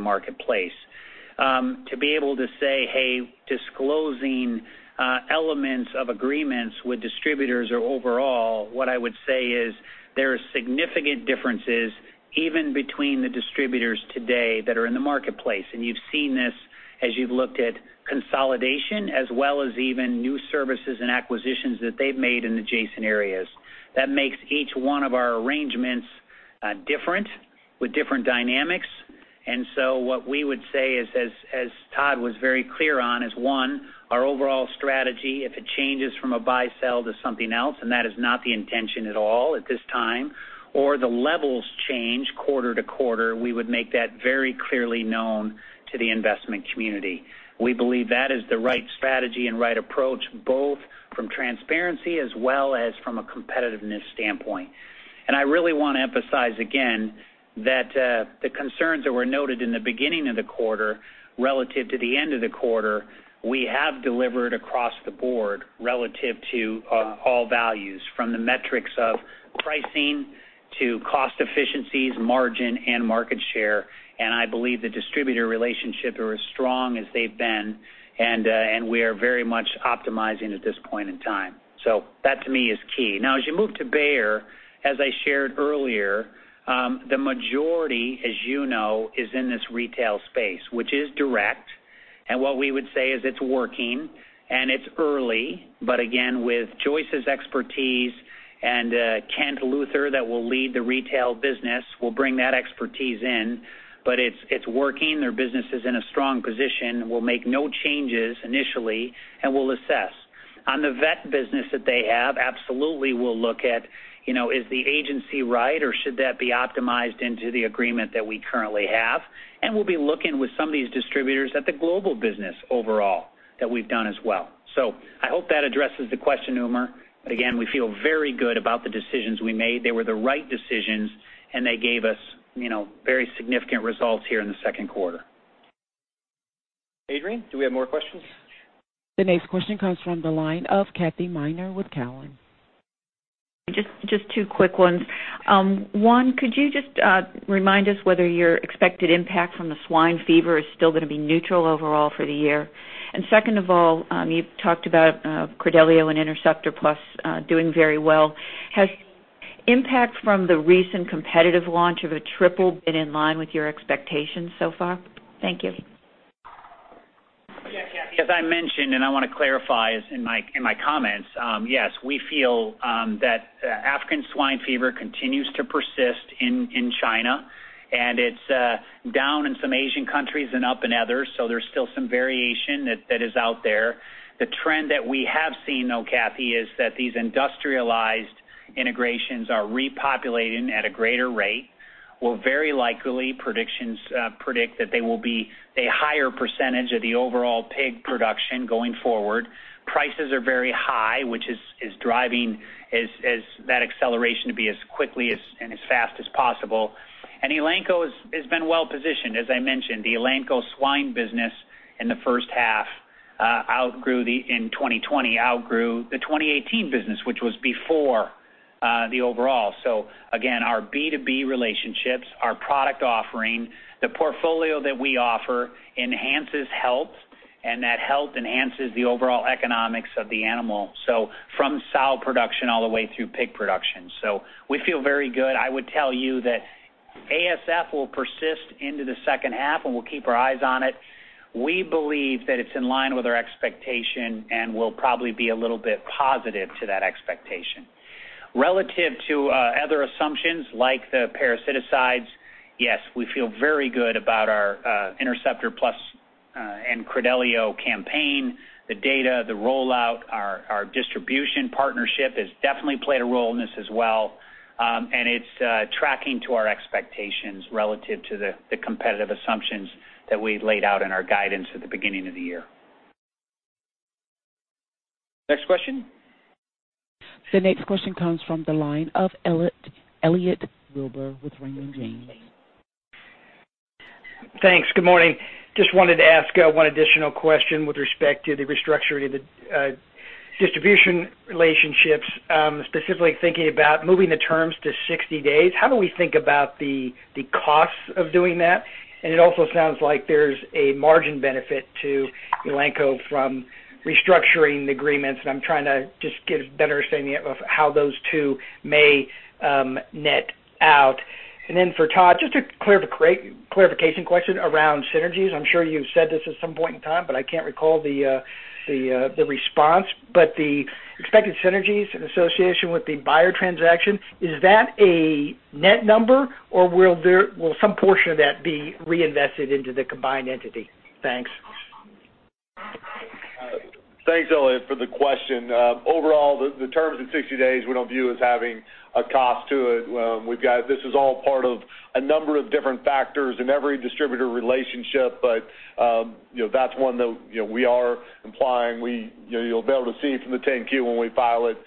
Speaker 3: marketplace. To be able to say, "Hey, disclosing elements of agreements with distributors or overall," what I would say is there are significant differences even between the distributors today that are in the marketplace. And you've seen this as you've looked at consolidation as well as even new services and acquisitions that they've made in adjacent areas. That makes each one of our arrangements different with different dynamics. And so what we would say is, as Todd was very clear on, is one, our overall strategy, if it changes from a buy-sell to something else, and that is not the intention at all at this time, or the levels change quarter to quarter, we would make that very clearly known to the investment community. We believe that is the right strategy and right approach, both from transparency as well as from a competitiveness standpoint. And I really want to emphasize again that the concerns that were noted in the beginning of the quarter relative to the end of the quarter, we have delivered across the board relative to all values, from the metrics of pricing to cost efficiencies, margin, and market share. And I believe the distributor relationships are as strong as they've been, and we are very much optimizing at this point in time. So that, to me, is key. Now, as you move to Bayer, as I shared earlier, the majority, as you know, is in this retail space, which is direct. And what we would say is it's working, and it's early. But again, with Joyce's expertise and Kent Luther that will lead the retail business, we'll bring that expertise in. But it's working. Their business is in a strong position. We'll make no changes initially, and we'll assess. On the vet business that they have, absolutely, we'll look at, is the agency right, or should that be optimized into the agreement that we currently have? And we'll be looking with some of these distributors at the global business overall that we've done as well. So I hope that addresses the question, Umer. But again, we feel very good about the decisions we made. They were the right decisions, and they gave us very significant results here in the second quarter.
Speaker 2: Adrienne, do we have more questions?
Speaker 1: The next question comes from the line of Kathy Miner with Cowen.
Speaker 10: Just two quick ones. One, could you just remind us whether your expected impact from the swine fever is still going to be neutral overall for the year? And second of all, you talked about Credelio and Interceptor Plus doing very well. Has impact from the recent competitive launch of a triple been in line with your expectations so far? Thank you.
Speaker 3: Yes, Kathy. As I mentioned, and I want to clarify in my comments, yes, we feel that African swine fever continues to persist in China, and it's down in some Asian countries and up in others. So there's still some variation that is out there. The trend that we have seen, though, Kathy, is that these industrialized integrations are repopulating at a greater rate. We'll very likely predict that there will be a higher percentage of the overall pig production going forward. Prices are very high, which is driving that acceleration to be as quickly and as fast as possible. And Elanco has been well positioned. As I mentioned, the Elanco swine business in the first half in 2020 outgrew the 2018 business, which was before the overall. So again, our B2B relationships, our product offering, the portfolio that we offer enhances health, and that health enhances the overall economics of the animal, so from sow production all the way through pig production. So we feel very good. I would tell you that ASF will persist into the second half, and we'll keep our eyes on it. We believe that it's in line with our expectation and will probably be a little bit positive to that expectation. Relative to other assumptions like the parasiticides, yes, we feel very good about our Interceptor Plus and Credelio campaign, the data, the rollout, our distribution partnership has definitely played a role in this as well, and it's tracking to our expectations relative to the competitive assumptions that we laid out in our guidance at the beginning of the year.
Speaker 2: Next question.
Speaker 1: The next question comes from the line of Elliot Wilbur with Raymond James.
Speaker 11: Thanks. Good morning. Just wanted to ask one additional question with respect to the restructuring of the distribution relationships, specifically thinking about moving the terms to 60 days. How do we think about the costs of doing that? And it also sounds like there's a margin benefit to Elanco from restructuring the agreements. And I'm trying to just get a better understanding of how those two may net out. And then for Todd, just a clarification question around synergies. I'm sure you've said this at some point in time, but I can't recall the response. But the expected synergies in association with the Bayer transaction, is that a net number, or will some portion of that be reinvested into the combined entity? Thanks.
Speaker 4: Thanks, Elliot, for the question. Overall, the terms of 60 days, we don't view as having a cost to it. This is all part of a number of different factors in every distributor relationship, but that's one that we are implying. You'll be able to see from the 10-Q when we file it.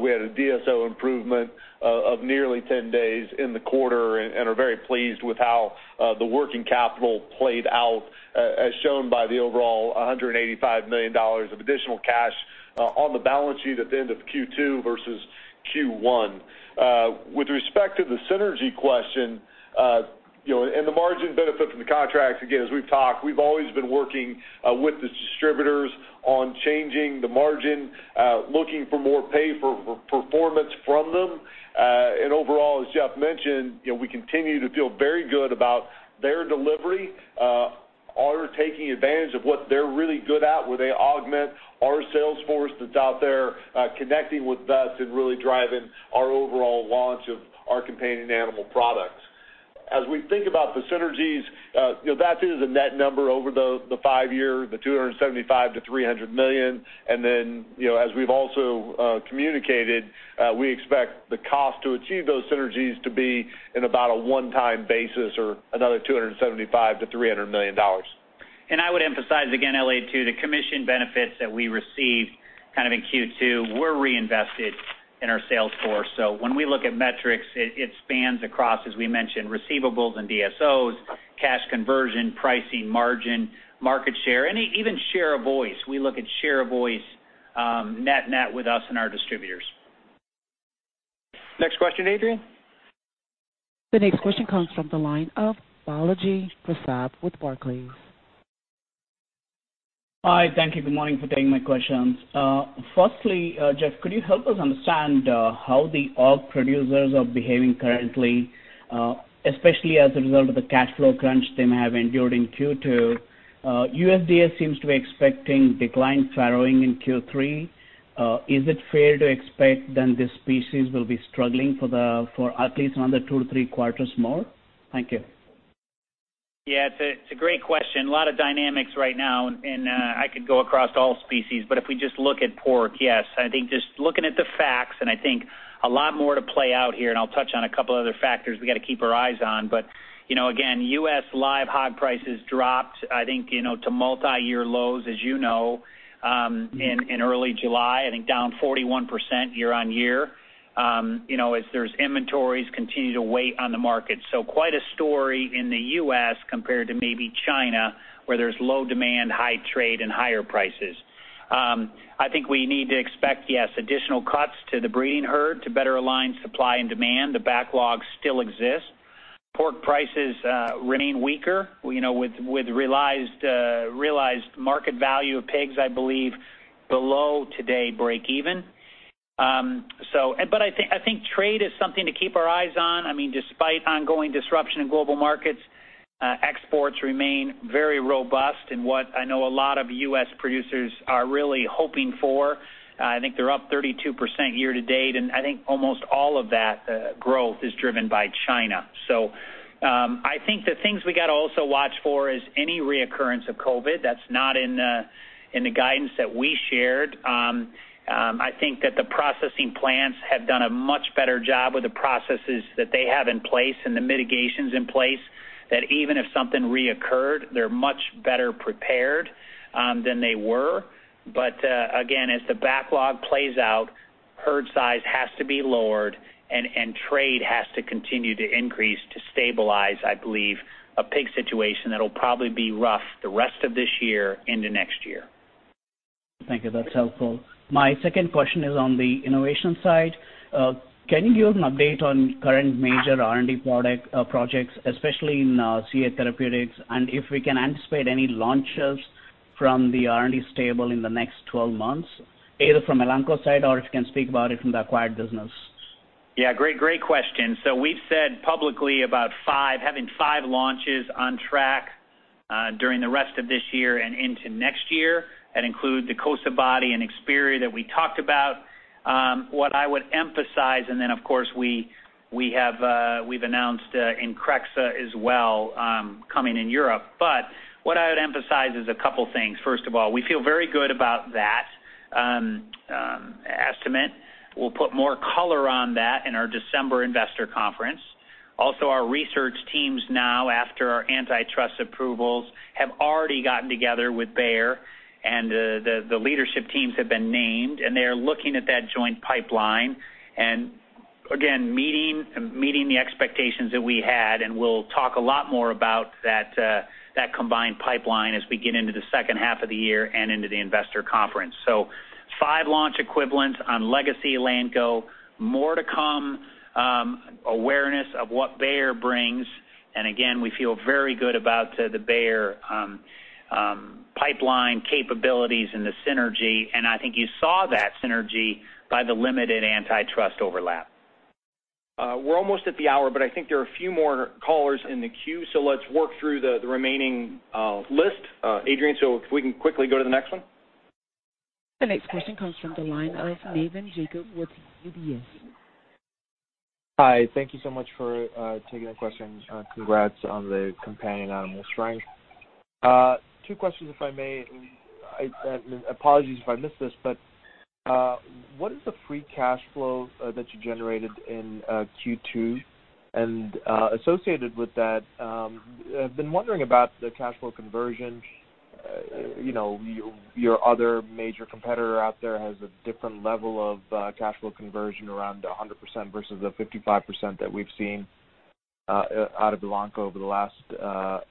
Speaker 4: We had a DSO improvement of nearly 10 days in the quarter, and are very pleased with how the working capital played out, as shown by the overall $185 million of additional cash on the balance sheet at the end of Q2 versus Q1. With respect to the synergy question and the margin benefit from the contracts, again, as we've talked, we've always been working with the distributors on changing the margin, looking for more pay for performance from them. And overall, as Jeff mentioned, we continue to feel very good about their delivery. We're taking advantage of what they're really good at, where they augment our sales force that's out there connecting with us and really driving our overall launch of our companion animal products. As we think about the synergies, that is a net number over the five-year, the $275 million-$300 million. And then, as we've also communicated, we expect the cost to achieve those synergies to be on about a one-time basis or another $275 million-$300 million.
Speaker 3: And I would emphasize again, Elliot, too, the commission benefits that we received kind of in Q2 were reinvested in our sales force. So when we look at metrics, it spans across, as we mentioned, receivables and DSOs, cash conversion, pricing margin, market share, and even share of voice. We look at share of voice net-net with us and our distributors.
Speaker 2: Next question, Adrienne.
Speaker 1: The next question comes from the line of Balaji Prasad with Barclays.
Speaker 12: Hi. Thank you. Good morning for taking my questions. Firstly, Jeff, could you help us understand how the hog producers are behaving currently, especially as a result of the cash flow crunch they may have endured in Q2? USDA seems to be expecting declined farrowing in Q3. Is it fair to expect then this species will be struggling for at least another two to three quarters more? Thank you.
Speaker 3: Yeah, it's a great question. A lot of dynamics right now, and I could go across all species, but if we just look at pork, yes. I think just looking at the facts, and I think a lot more to play out here, and I'll touch on a couple of other factors we got to keep our eyes on, but again, U.S. live hog prices dropped, I think, to multi-year lows, as you know, in early July. I think down 41% year-on-year as their inventories continue to weigh on the market, so quite a story in the U.S. compared to maybe China, where there's low demand, high trade, and higher prices. I think we need to expect, yes, additional cuts to the breeding herd to better align supply and demand. The backlog still exists. Pork prices remain weaker with realized market value of pigs, I believe, below today's break-even. But I think trade is something to keep our eyes on. I mean, despite ongoing disruption in global markets, exports remain very robust in what I know a lot of U.S. producers are really hoping for. I think they're up 32% year-to-date. And I think almost all of that growth is driven by China. So I think the things we got to also watch for is any reoccurrence of COVID. That's not in the guidance that we shared. I think that the processing plants have done a much better job with the processes that they have in place and the mitigations in place that even if something reoccurred, they're much better prepared than they were. But again, as the backlog plays out, herd size has to be lowered, and trade has to continue to increase to stabilize, I believe, a pig situation that'll probably be rough the rest of this year into next year.
Speaker 12: Thank you. That's helpful. My second question is on the innovation side. Can you give an update on current major R&D projects, especially in CA therapeutics, and if we can anticipate any launches from the R&D stable in the next 12 months, either from Elanco side or if you can speak about it from the acquired business?
Speaker 3: Yeah. Great question. So we've said publicly about having five launches on track during the rest of this year and into next year. That includes the Cosabody and Experior that we talked about. What I would emphasize, and then, of course, we've announced Increxxa as well coming in Europe. But what I would emphasize is a couple of things. First of all, we feel very good about that estimate. We'll put more color on that in our December investor conference. Also, our research teams now, after our antitrust approvals, have already gotten together with Bayer, and the leadership teams have been named, and they're looking at that joint pipeline. And again, meeting the expectations that we had, and we'll talk a lot more about that combined pipeline as we get into the second half of the year and into the investor conference. Five launch equivalents on Legacy Elanco, more to come, awareness of what Bayer brings. And again, we feel very good about the Bayer pipeline capabilities and the synergy. And I think you saw that synergy by the limited antitrust overlap.
Speaker 2: We're almost at the hour, but I think there are a few more callers in the queue. So let's work through the remaining list, Adrienne. So if we can quickly go to the next one.
Speaker 1: The next question comes from the line of Navin Jacob with UBS.
Speaker 13: Hi. Thank you so much for taking the question. Congrats on the Companion Animal Strength. Two questions, if I may. Apologies if I missed this, but what is the free cash flow that you generated in Q2? And associated with that, I've been wondering about the cash flow conversion. Your other major competitor out there has a different level of cash flow conversion around 100% versus the 55% that we've seen out of Elanco over the last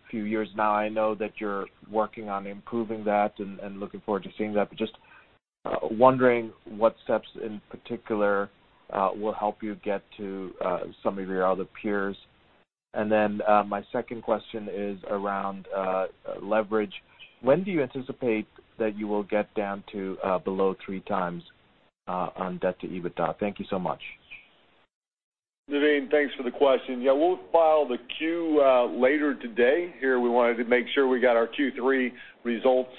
Speaker 13: few years. Now, I know that you're working on improving that and looking forward to seeing that, but just wondering what steps in particular will help you get to some of your other peers. And then my second question is around leverage. When do you anticipate that you will get down to below three times on debt to EBITDA? Thank you so much.
Speaker 4: Navin, thanks for the question. Yeah, we'll file the Q later today. Here, we wanted to make sure we got our Q3 results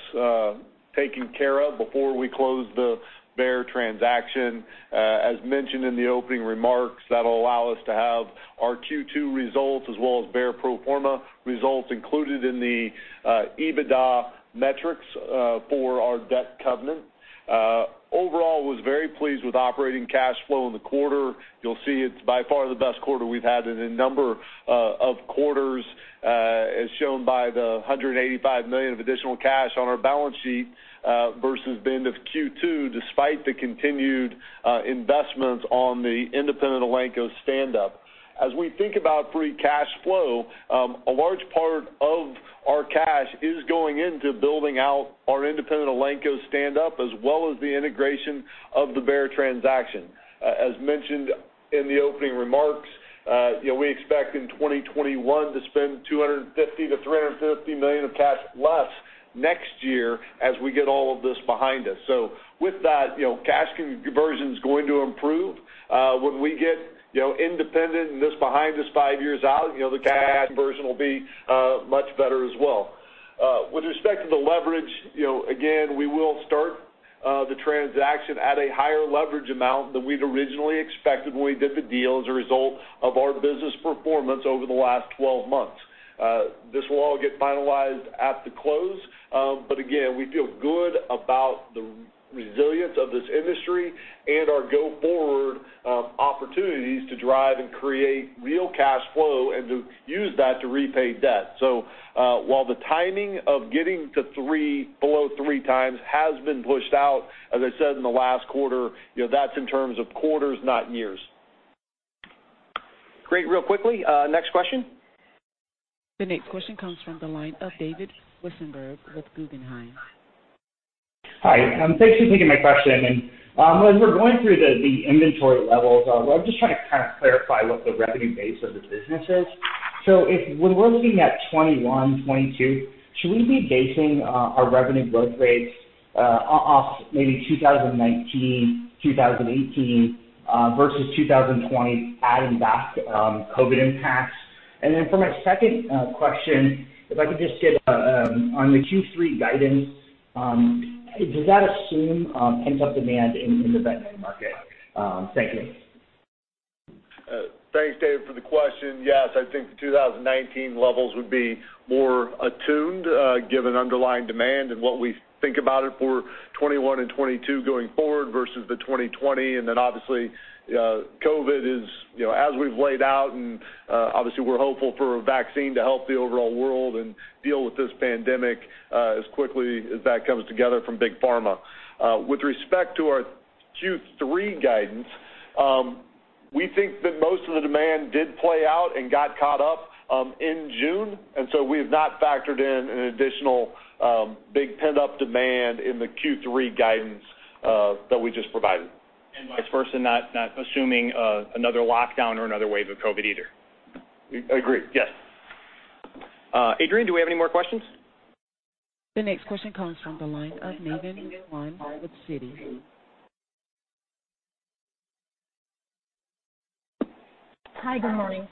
Speaker 4: taken care of before we close the Bayer transaction. As mentioned in the opening remarks, that'll allow us to have our Q2 results as well as Bayer pro forma results included in the EBITDA metrics for our debt covenant. Overall, I was very pleased with operating cash flow in the quarter. You'll see it's by far the best quarter we've had in a number of quarters, as shown by the $185 million of additional cash on our balance sheet versus the end of Q2, despite the continued investments on the independent Elanco stand-up. As we think about free cash flow, a large part of our cash is going into building out our independent Elanco stand-up as well as the integration of the Bayer transaction. As mentioned in the opening remarks, we expect in 2021 to spend $250 million-$350 million of cash less next year as we get all of this behind us. So with that, cash conversion is going to improve. When we get independent and this behind us five years out, the cash conversion will be much better as well. With respect to the leverage, again, we will start the transaction at a higher leverage amount than we'd originally expected when we did the deal as a result of our business performance over the last 12 months. This will all get finalized at the close. But again, we feel good about the resilience of this industry and our go-forward opportunities to drive and create real cash flow and to use that to repay debt. So while the timing of getting to below three times has been pushed out, as I said in the last quarter, that's in terms of quarters, not years.
Speaker 2: Great. Real quickly, next question.
Speaker 1: The next question comes from the line of David Westenberg with Guggenheim. Hi.
Speaker 14: Thanks for taking my question. And as we're going through the inventory levels, I'm just trying to kind of clarify what the revenue base of the business is. So when we're looking at 2021, 2022, should we be basing our revenue growth rates off maybe 2019, 2018 versus 2020 adding back COVID impacts? And then for my second question, if I could just get on the Q3 guidance, does that assume pent-up demand in the veterinary market? Thank you.
Speaker 4: Thanks, David, for the question. Yes, I think the 2019 levels would be more attuned given underlying demand and what we think about it for 2021 and 2022 going forward versus the 2020. And then obviously, COVID is, as we've laid out, and obviously, we're hopeful for a vaccine to help the overall world and deal with this pandemic as quickly as that comes together from big pharma. With respect to our Q3 guidance, we think that most of the demand did play out and got caught up in June. And so we have not factored in an additional big pent-up demand in the Q3 guidance that we just provided. And vice versa, not assuming another lockdown or another wave of COVID either. Agreed. Yes.
Speaker 2: Adrienne, do we have any more questions?
Speaker 1: The next question comes from the line of with Citi. Hi. Good morning.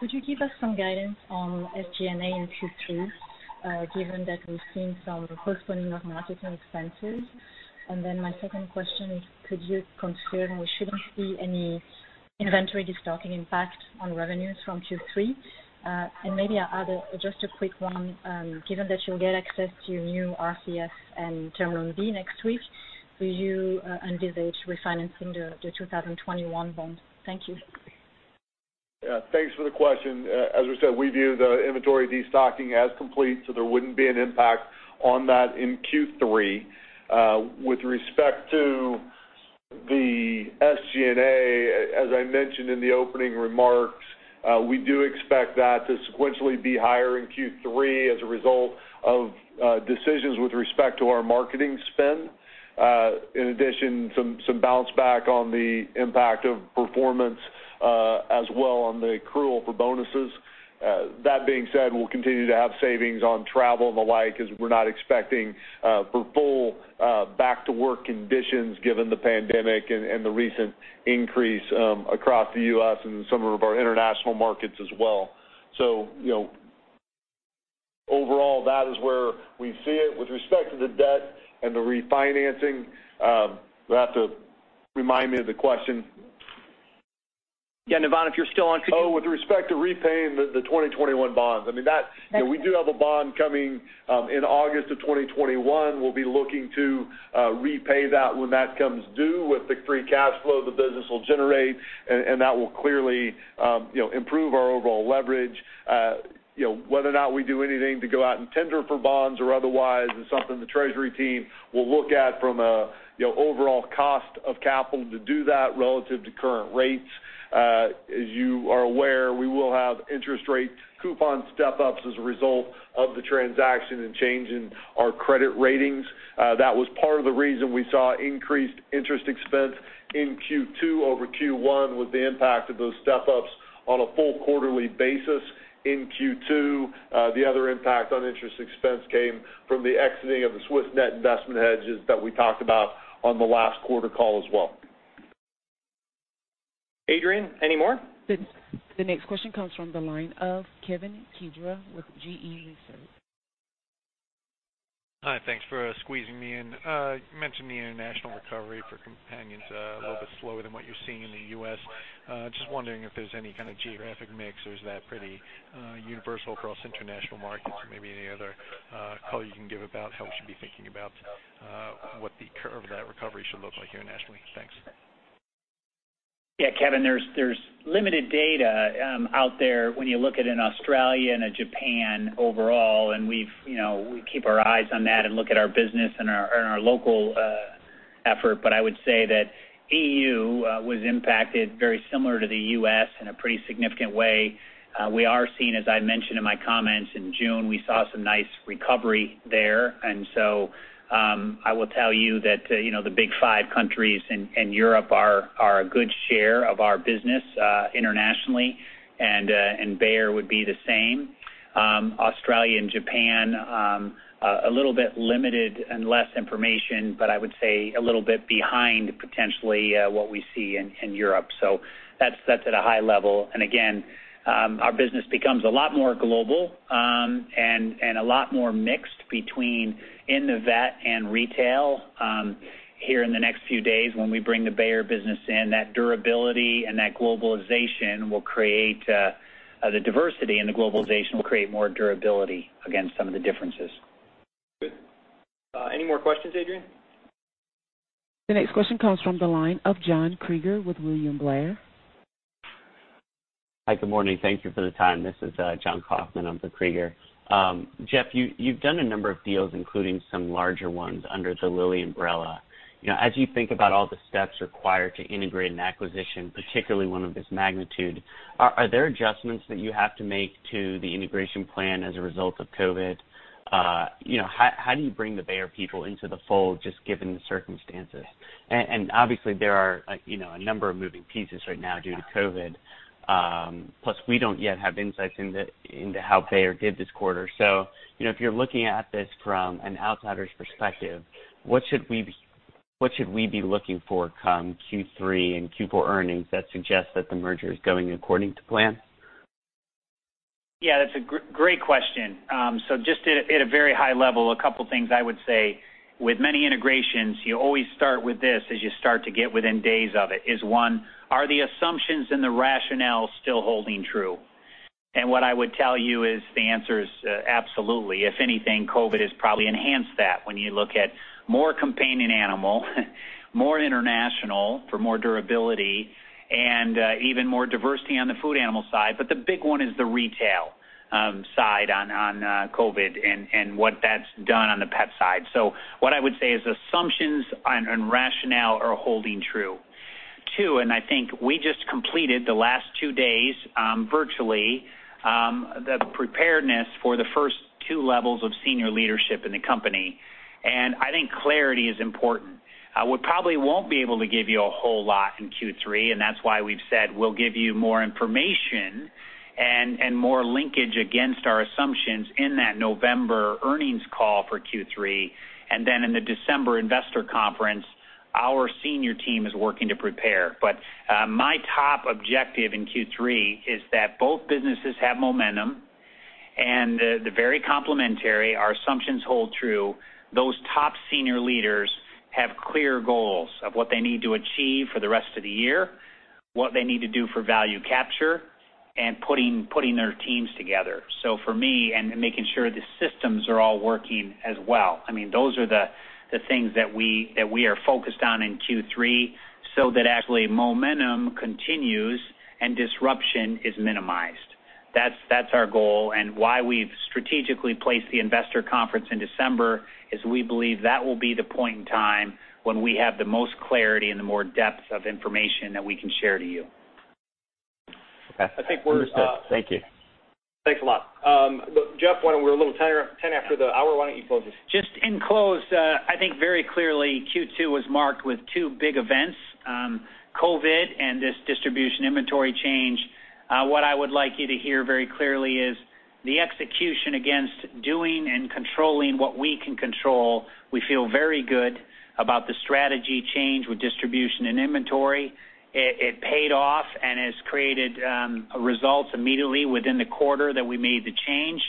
Speaker 1: Could you give us some guidance on SG&A in Q3 given that we've seen some postponing of marketing expenses? And then my second question is, could you confirm we shouldn't see any inventory destocking impact on revenues from Q3? And maybe just a quick one. Given that you'll get access to new RCS and Term Loan B next week, do you envisage refinancing the 2021 bond? Thank you.
Speaker 4: Thanks for the question. As we said, we view the inventory destocking as complete, so there wouldn't be an impact on that in Q3. With respect to the SG&A, as I mentioned in the opening remarks, we do expect that to sequentially be higher in Q3 as a result of decisions with respect to our marketing spend. In addition, some bounce back on the impact of performance as well on the accrual for bonuses. That being said, we'll continue to have savings on travel and the like as we're not expecting full back-to-work conditions given the pandemic and the recent increase across the U.S. and some of our international markets as well. So overall, that is where we see it. With respect to the debt and the refinancing, you'll have to remind me of the question.
Speaker 2: Yeah, if you're still on, could you?
Speaker 4: Oh, with respect to repaying the 2021 bonds. I mean, we do have a bond coming in August of 2021. We'll be looking to repay that when that comes due with the free cash flow the business will generate, and that will clearly improve our overall leverage. Whether or not we do anything to go out and tender for bonds or otherwise is something the treasury team will look at from an overall cost of capital to do that relative to current rates. As you are aware, we will have interest rate coupon step-ups as a result of the transaction and change in our credit ratings. That was part of the reason we saw increased interest expense in Q2 over Q1 with the impact of those step-ups on a full quarterly basis in Q2. The other impact on interest expense came from the exiting of the Swiss net investment hedges that we talked about on the last quarter call as well.
Speaker 2: Adrienne, any more?
Speaker 1: The next question comes from the line of Kevin Kedra with G.research.
Speaker 15: Hi. Thanks for squeezing me in. You mentioned the international recovery for companions a little bit slower than what you're seeing in the U.S. Just wondering if there's any kind of geographic mix or is that pretty universal across international markets? Maybe any other color you can give about how we should be thinking about what the curve of that recovery should look like internationally. Thanks.
Speaker 3: Yeah, Kevin, there's limited data out there when you look at it in Australia and in Japan overall, and we keep our eyes on that and look at our business and our local effort. But I would say that E.U. was impacted very similar to the U.S. in a pretty significant way. We are seeing, as I mentioned in my comments in June, we saw some nice recovery there. And so I will tell you that the big five countries in Europe are a good share of our business internationally, and Bayer would be the same. Australia and Japan, a little bit limited and less information, but I would say a little bit behind potentially what we see in Europe. So that's at a high level. And again, our business becomes a lot more global and a lot more mixed between in the vet and retail. Here in the next few days, when we bring the Bayer business in, that durability and that globalization will create the diversity, and the globalization will create more durability against some of the differences.
Speaker 2: Any more questions, Adrienne?
Speaker 1: The next question comes from the line of John Kreger with William Blair.
Speaker 16: Hi. Good morning. Thank you for the time. This is John Kreger with William Blair. Jeff, you've done a number of deals, including some larger ones under the Lilly umbrella. As you think about all the steps required to integrate an acquisition, particularly one of this magnitude, are there adjustments that you have to make to the integration plan as a result of COVID? How do you bring the Bayer people into the fold just given the circumstances? And obviously, there are a number of moving pieces right now due to COVID, plus we don't yet have insights into how Bayer did this quarter. So if you're looking at this from an outsider's perspective, what should we be looking for come Q3 and Q4 earnings that suggest that the merger is going according to plan?
Speaker 3: Yeah, that's a great question. So just at a very high level, a couple of things I would say with many integrations, you always start with this as you start to get within days of it, is one, are the assumptions and the rationale still holding true? And what I would tell you is the answer is absolutely. If anything, COVID has probably enhanced that when you look at more companion animal, more international for more durability, and even more diversity on the food animal side. But the big one is the retail side on COVID and what that's done on the pet side. So what I would say is assumptions and rationale are holding true. Two, and I think we just completed the last two days virtually, the preparedness for the first two levels of senior leadership in the company, and I think clarity is important. We probably won't be able to give you a whole lot in Q3, and that's why we've said we'll give you more information and more linkage against our assumptions in that November earnings call for Q3, and then in the December investor conference, our senior team is working to prepare, but my top objective in Q3 is that both businesses have momentum and they're very complementary, our assumptions hold true. Those top senior leaders have clear goals of what they need to achieve for the rest of the year, what they need to do for value capture, and putting their teams together, so for me, and making sure the systems are all working as well. I mean, those are the things that we are focused on in Q3 so that actually momentum continues and disruption is minimized. That's our goal, and why we've strategically placed the investor conference in December is we believe that will be the point in time when we have the most clarity and the more depth of information that we can share to you.
Speaker 16: Okay. Understood. Thank you.
Speaker 2: Thanks a lot. Jeff, we're a little 10 after the hour. Why don't you close this?
Speaker 3: Just in close, I think very clearly Q2 was marked with two big events: COVID and this distribution inventory change. What I would like you to hear very clearly is the execution against doing and controlling what we can control. We feel very good about the strategy change with distribution and inventory. It paid off and has created results immediately within the quarter that we made the change.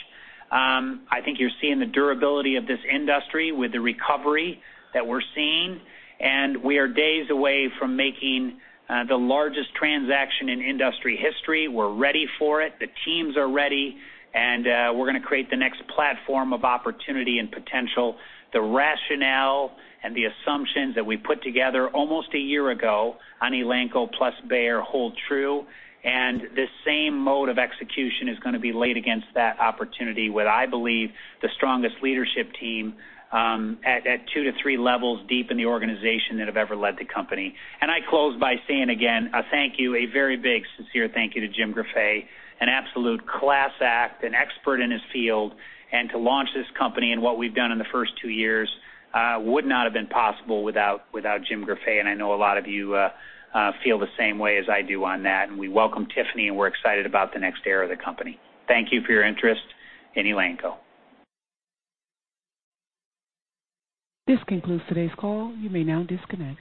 Speaker 3: I think you're seeing the durability of this industry with the recovery that we're seeing. And we are days away from making the largest transaction in industry history. We're ready for it. The teams are ready. And we're going to create the next platform of opportunity and potential. The rationale and the assumptions that we put together almost a year ago on Elanco plus Bayer hold true. And this same mode of execution is going to be laid against that opportunity with, I believe, the strongest leadership team at two to three levels deep in the organization that have ever led the company. And I close by saying again, a thank you, a very big, sincere thank you to Jim Greffet, an absolute class act, an expert in his field. To launch this company and what we've done in the first two years would not have been possible without Jim Greffet. I know a lot of you feel the same way as I do on that. We welcome Tiffany, and we're excited about the next era of the company. Thank you for your interest in Elanco.
Speaker 1: This concludes today's call. You may now disconnect.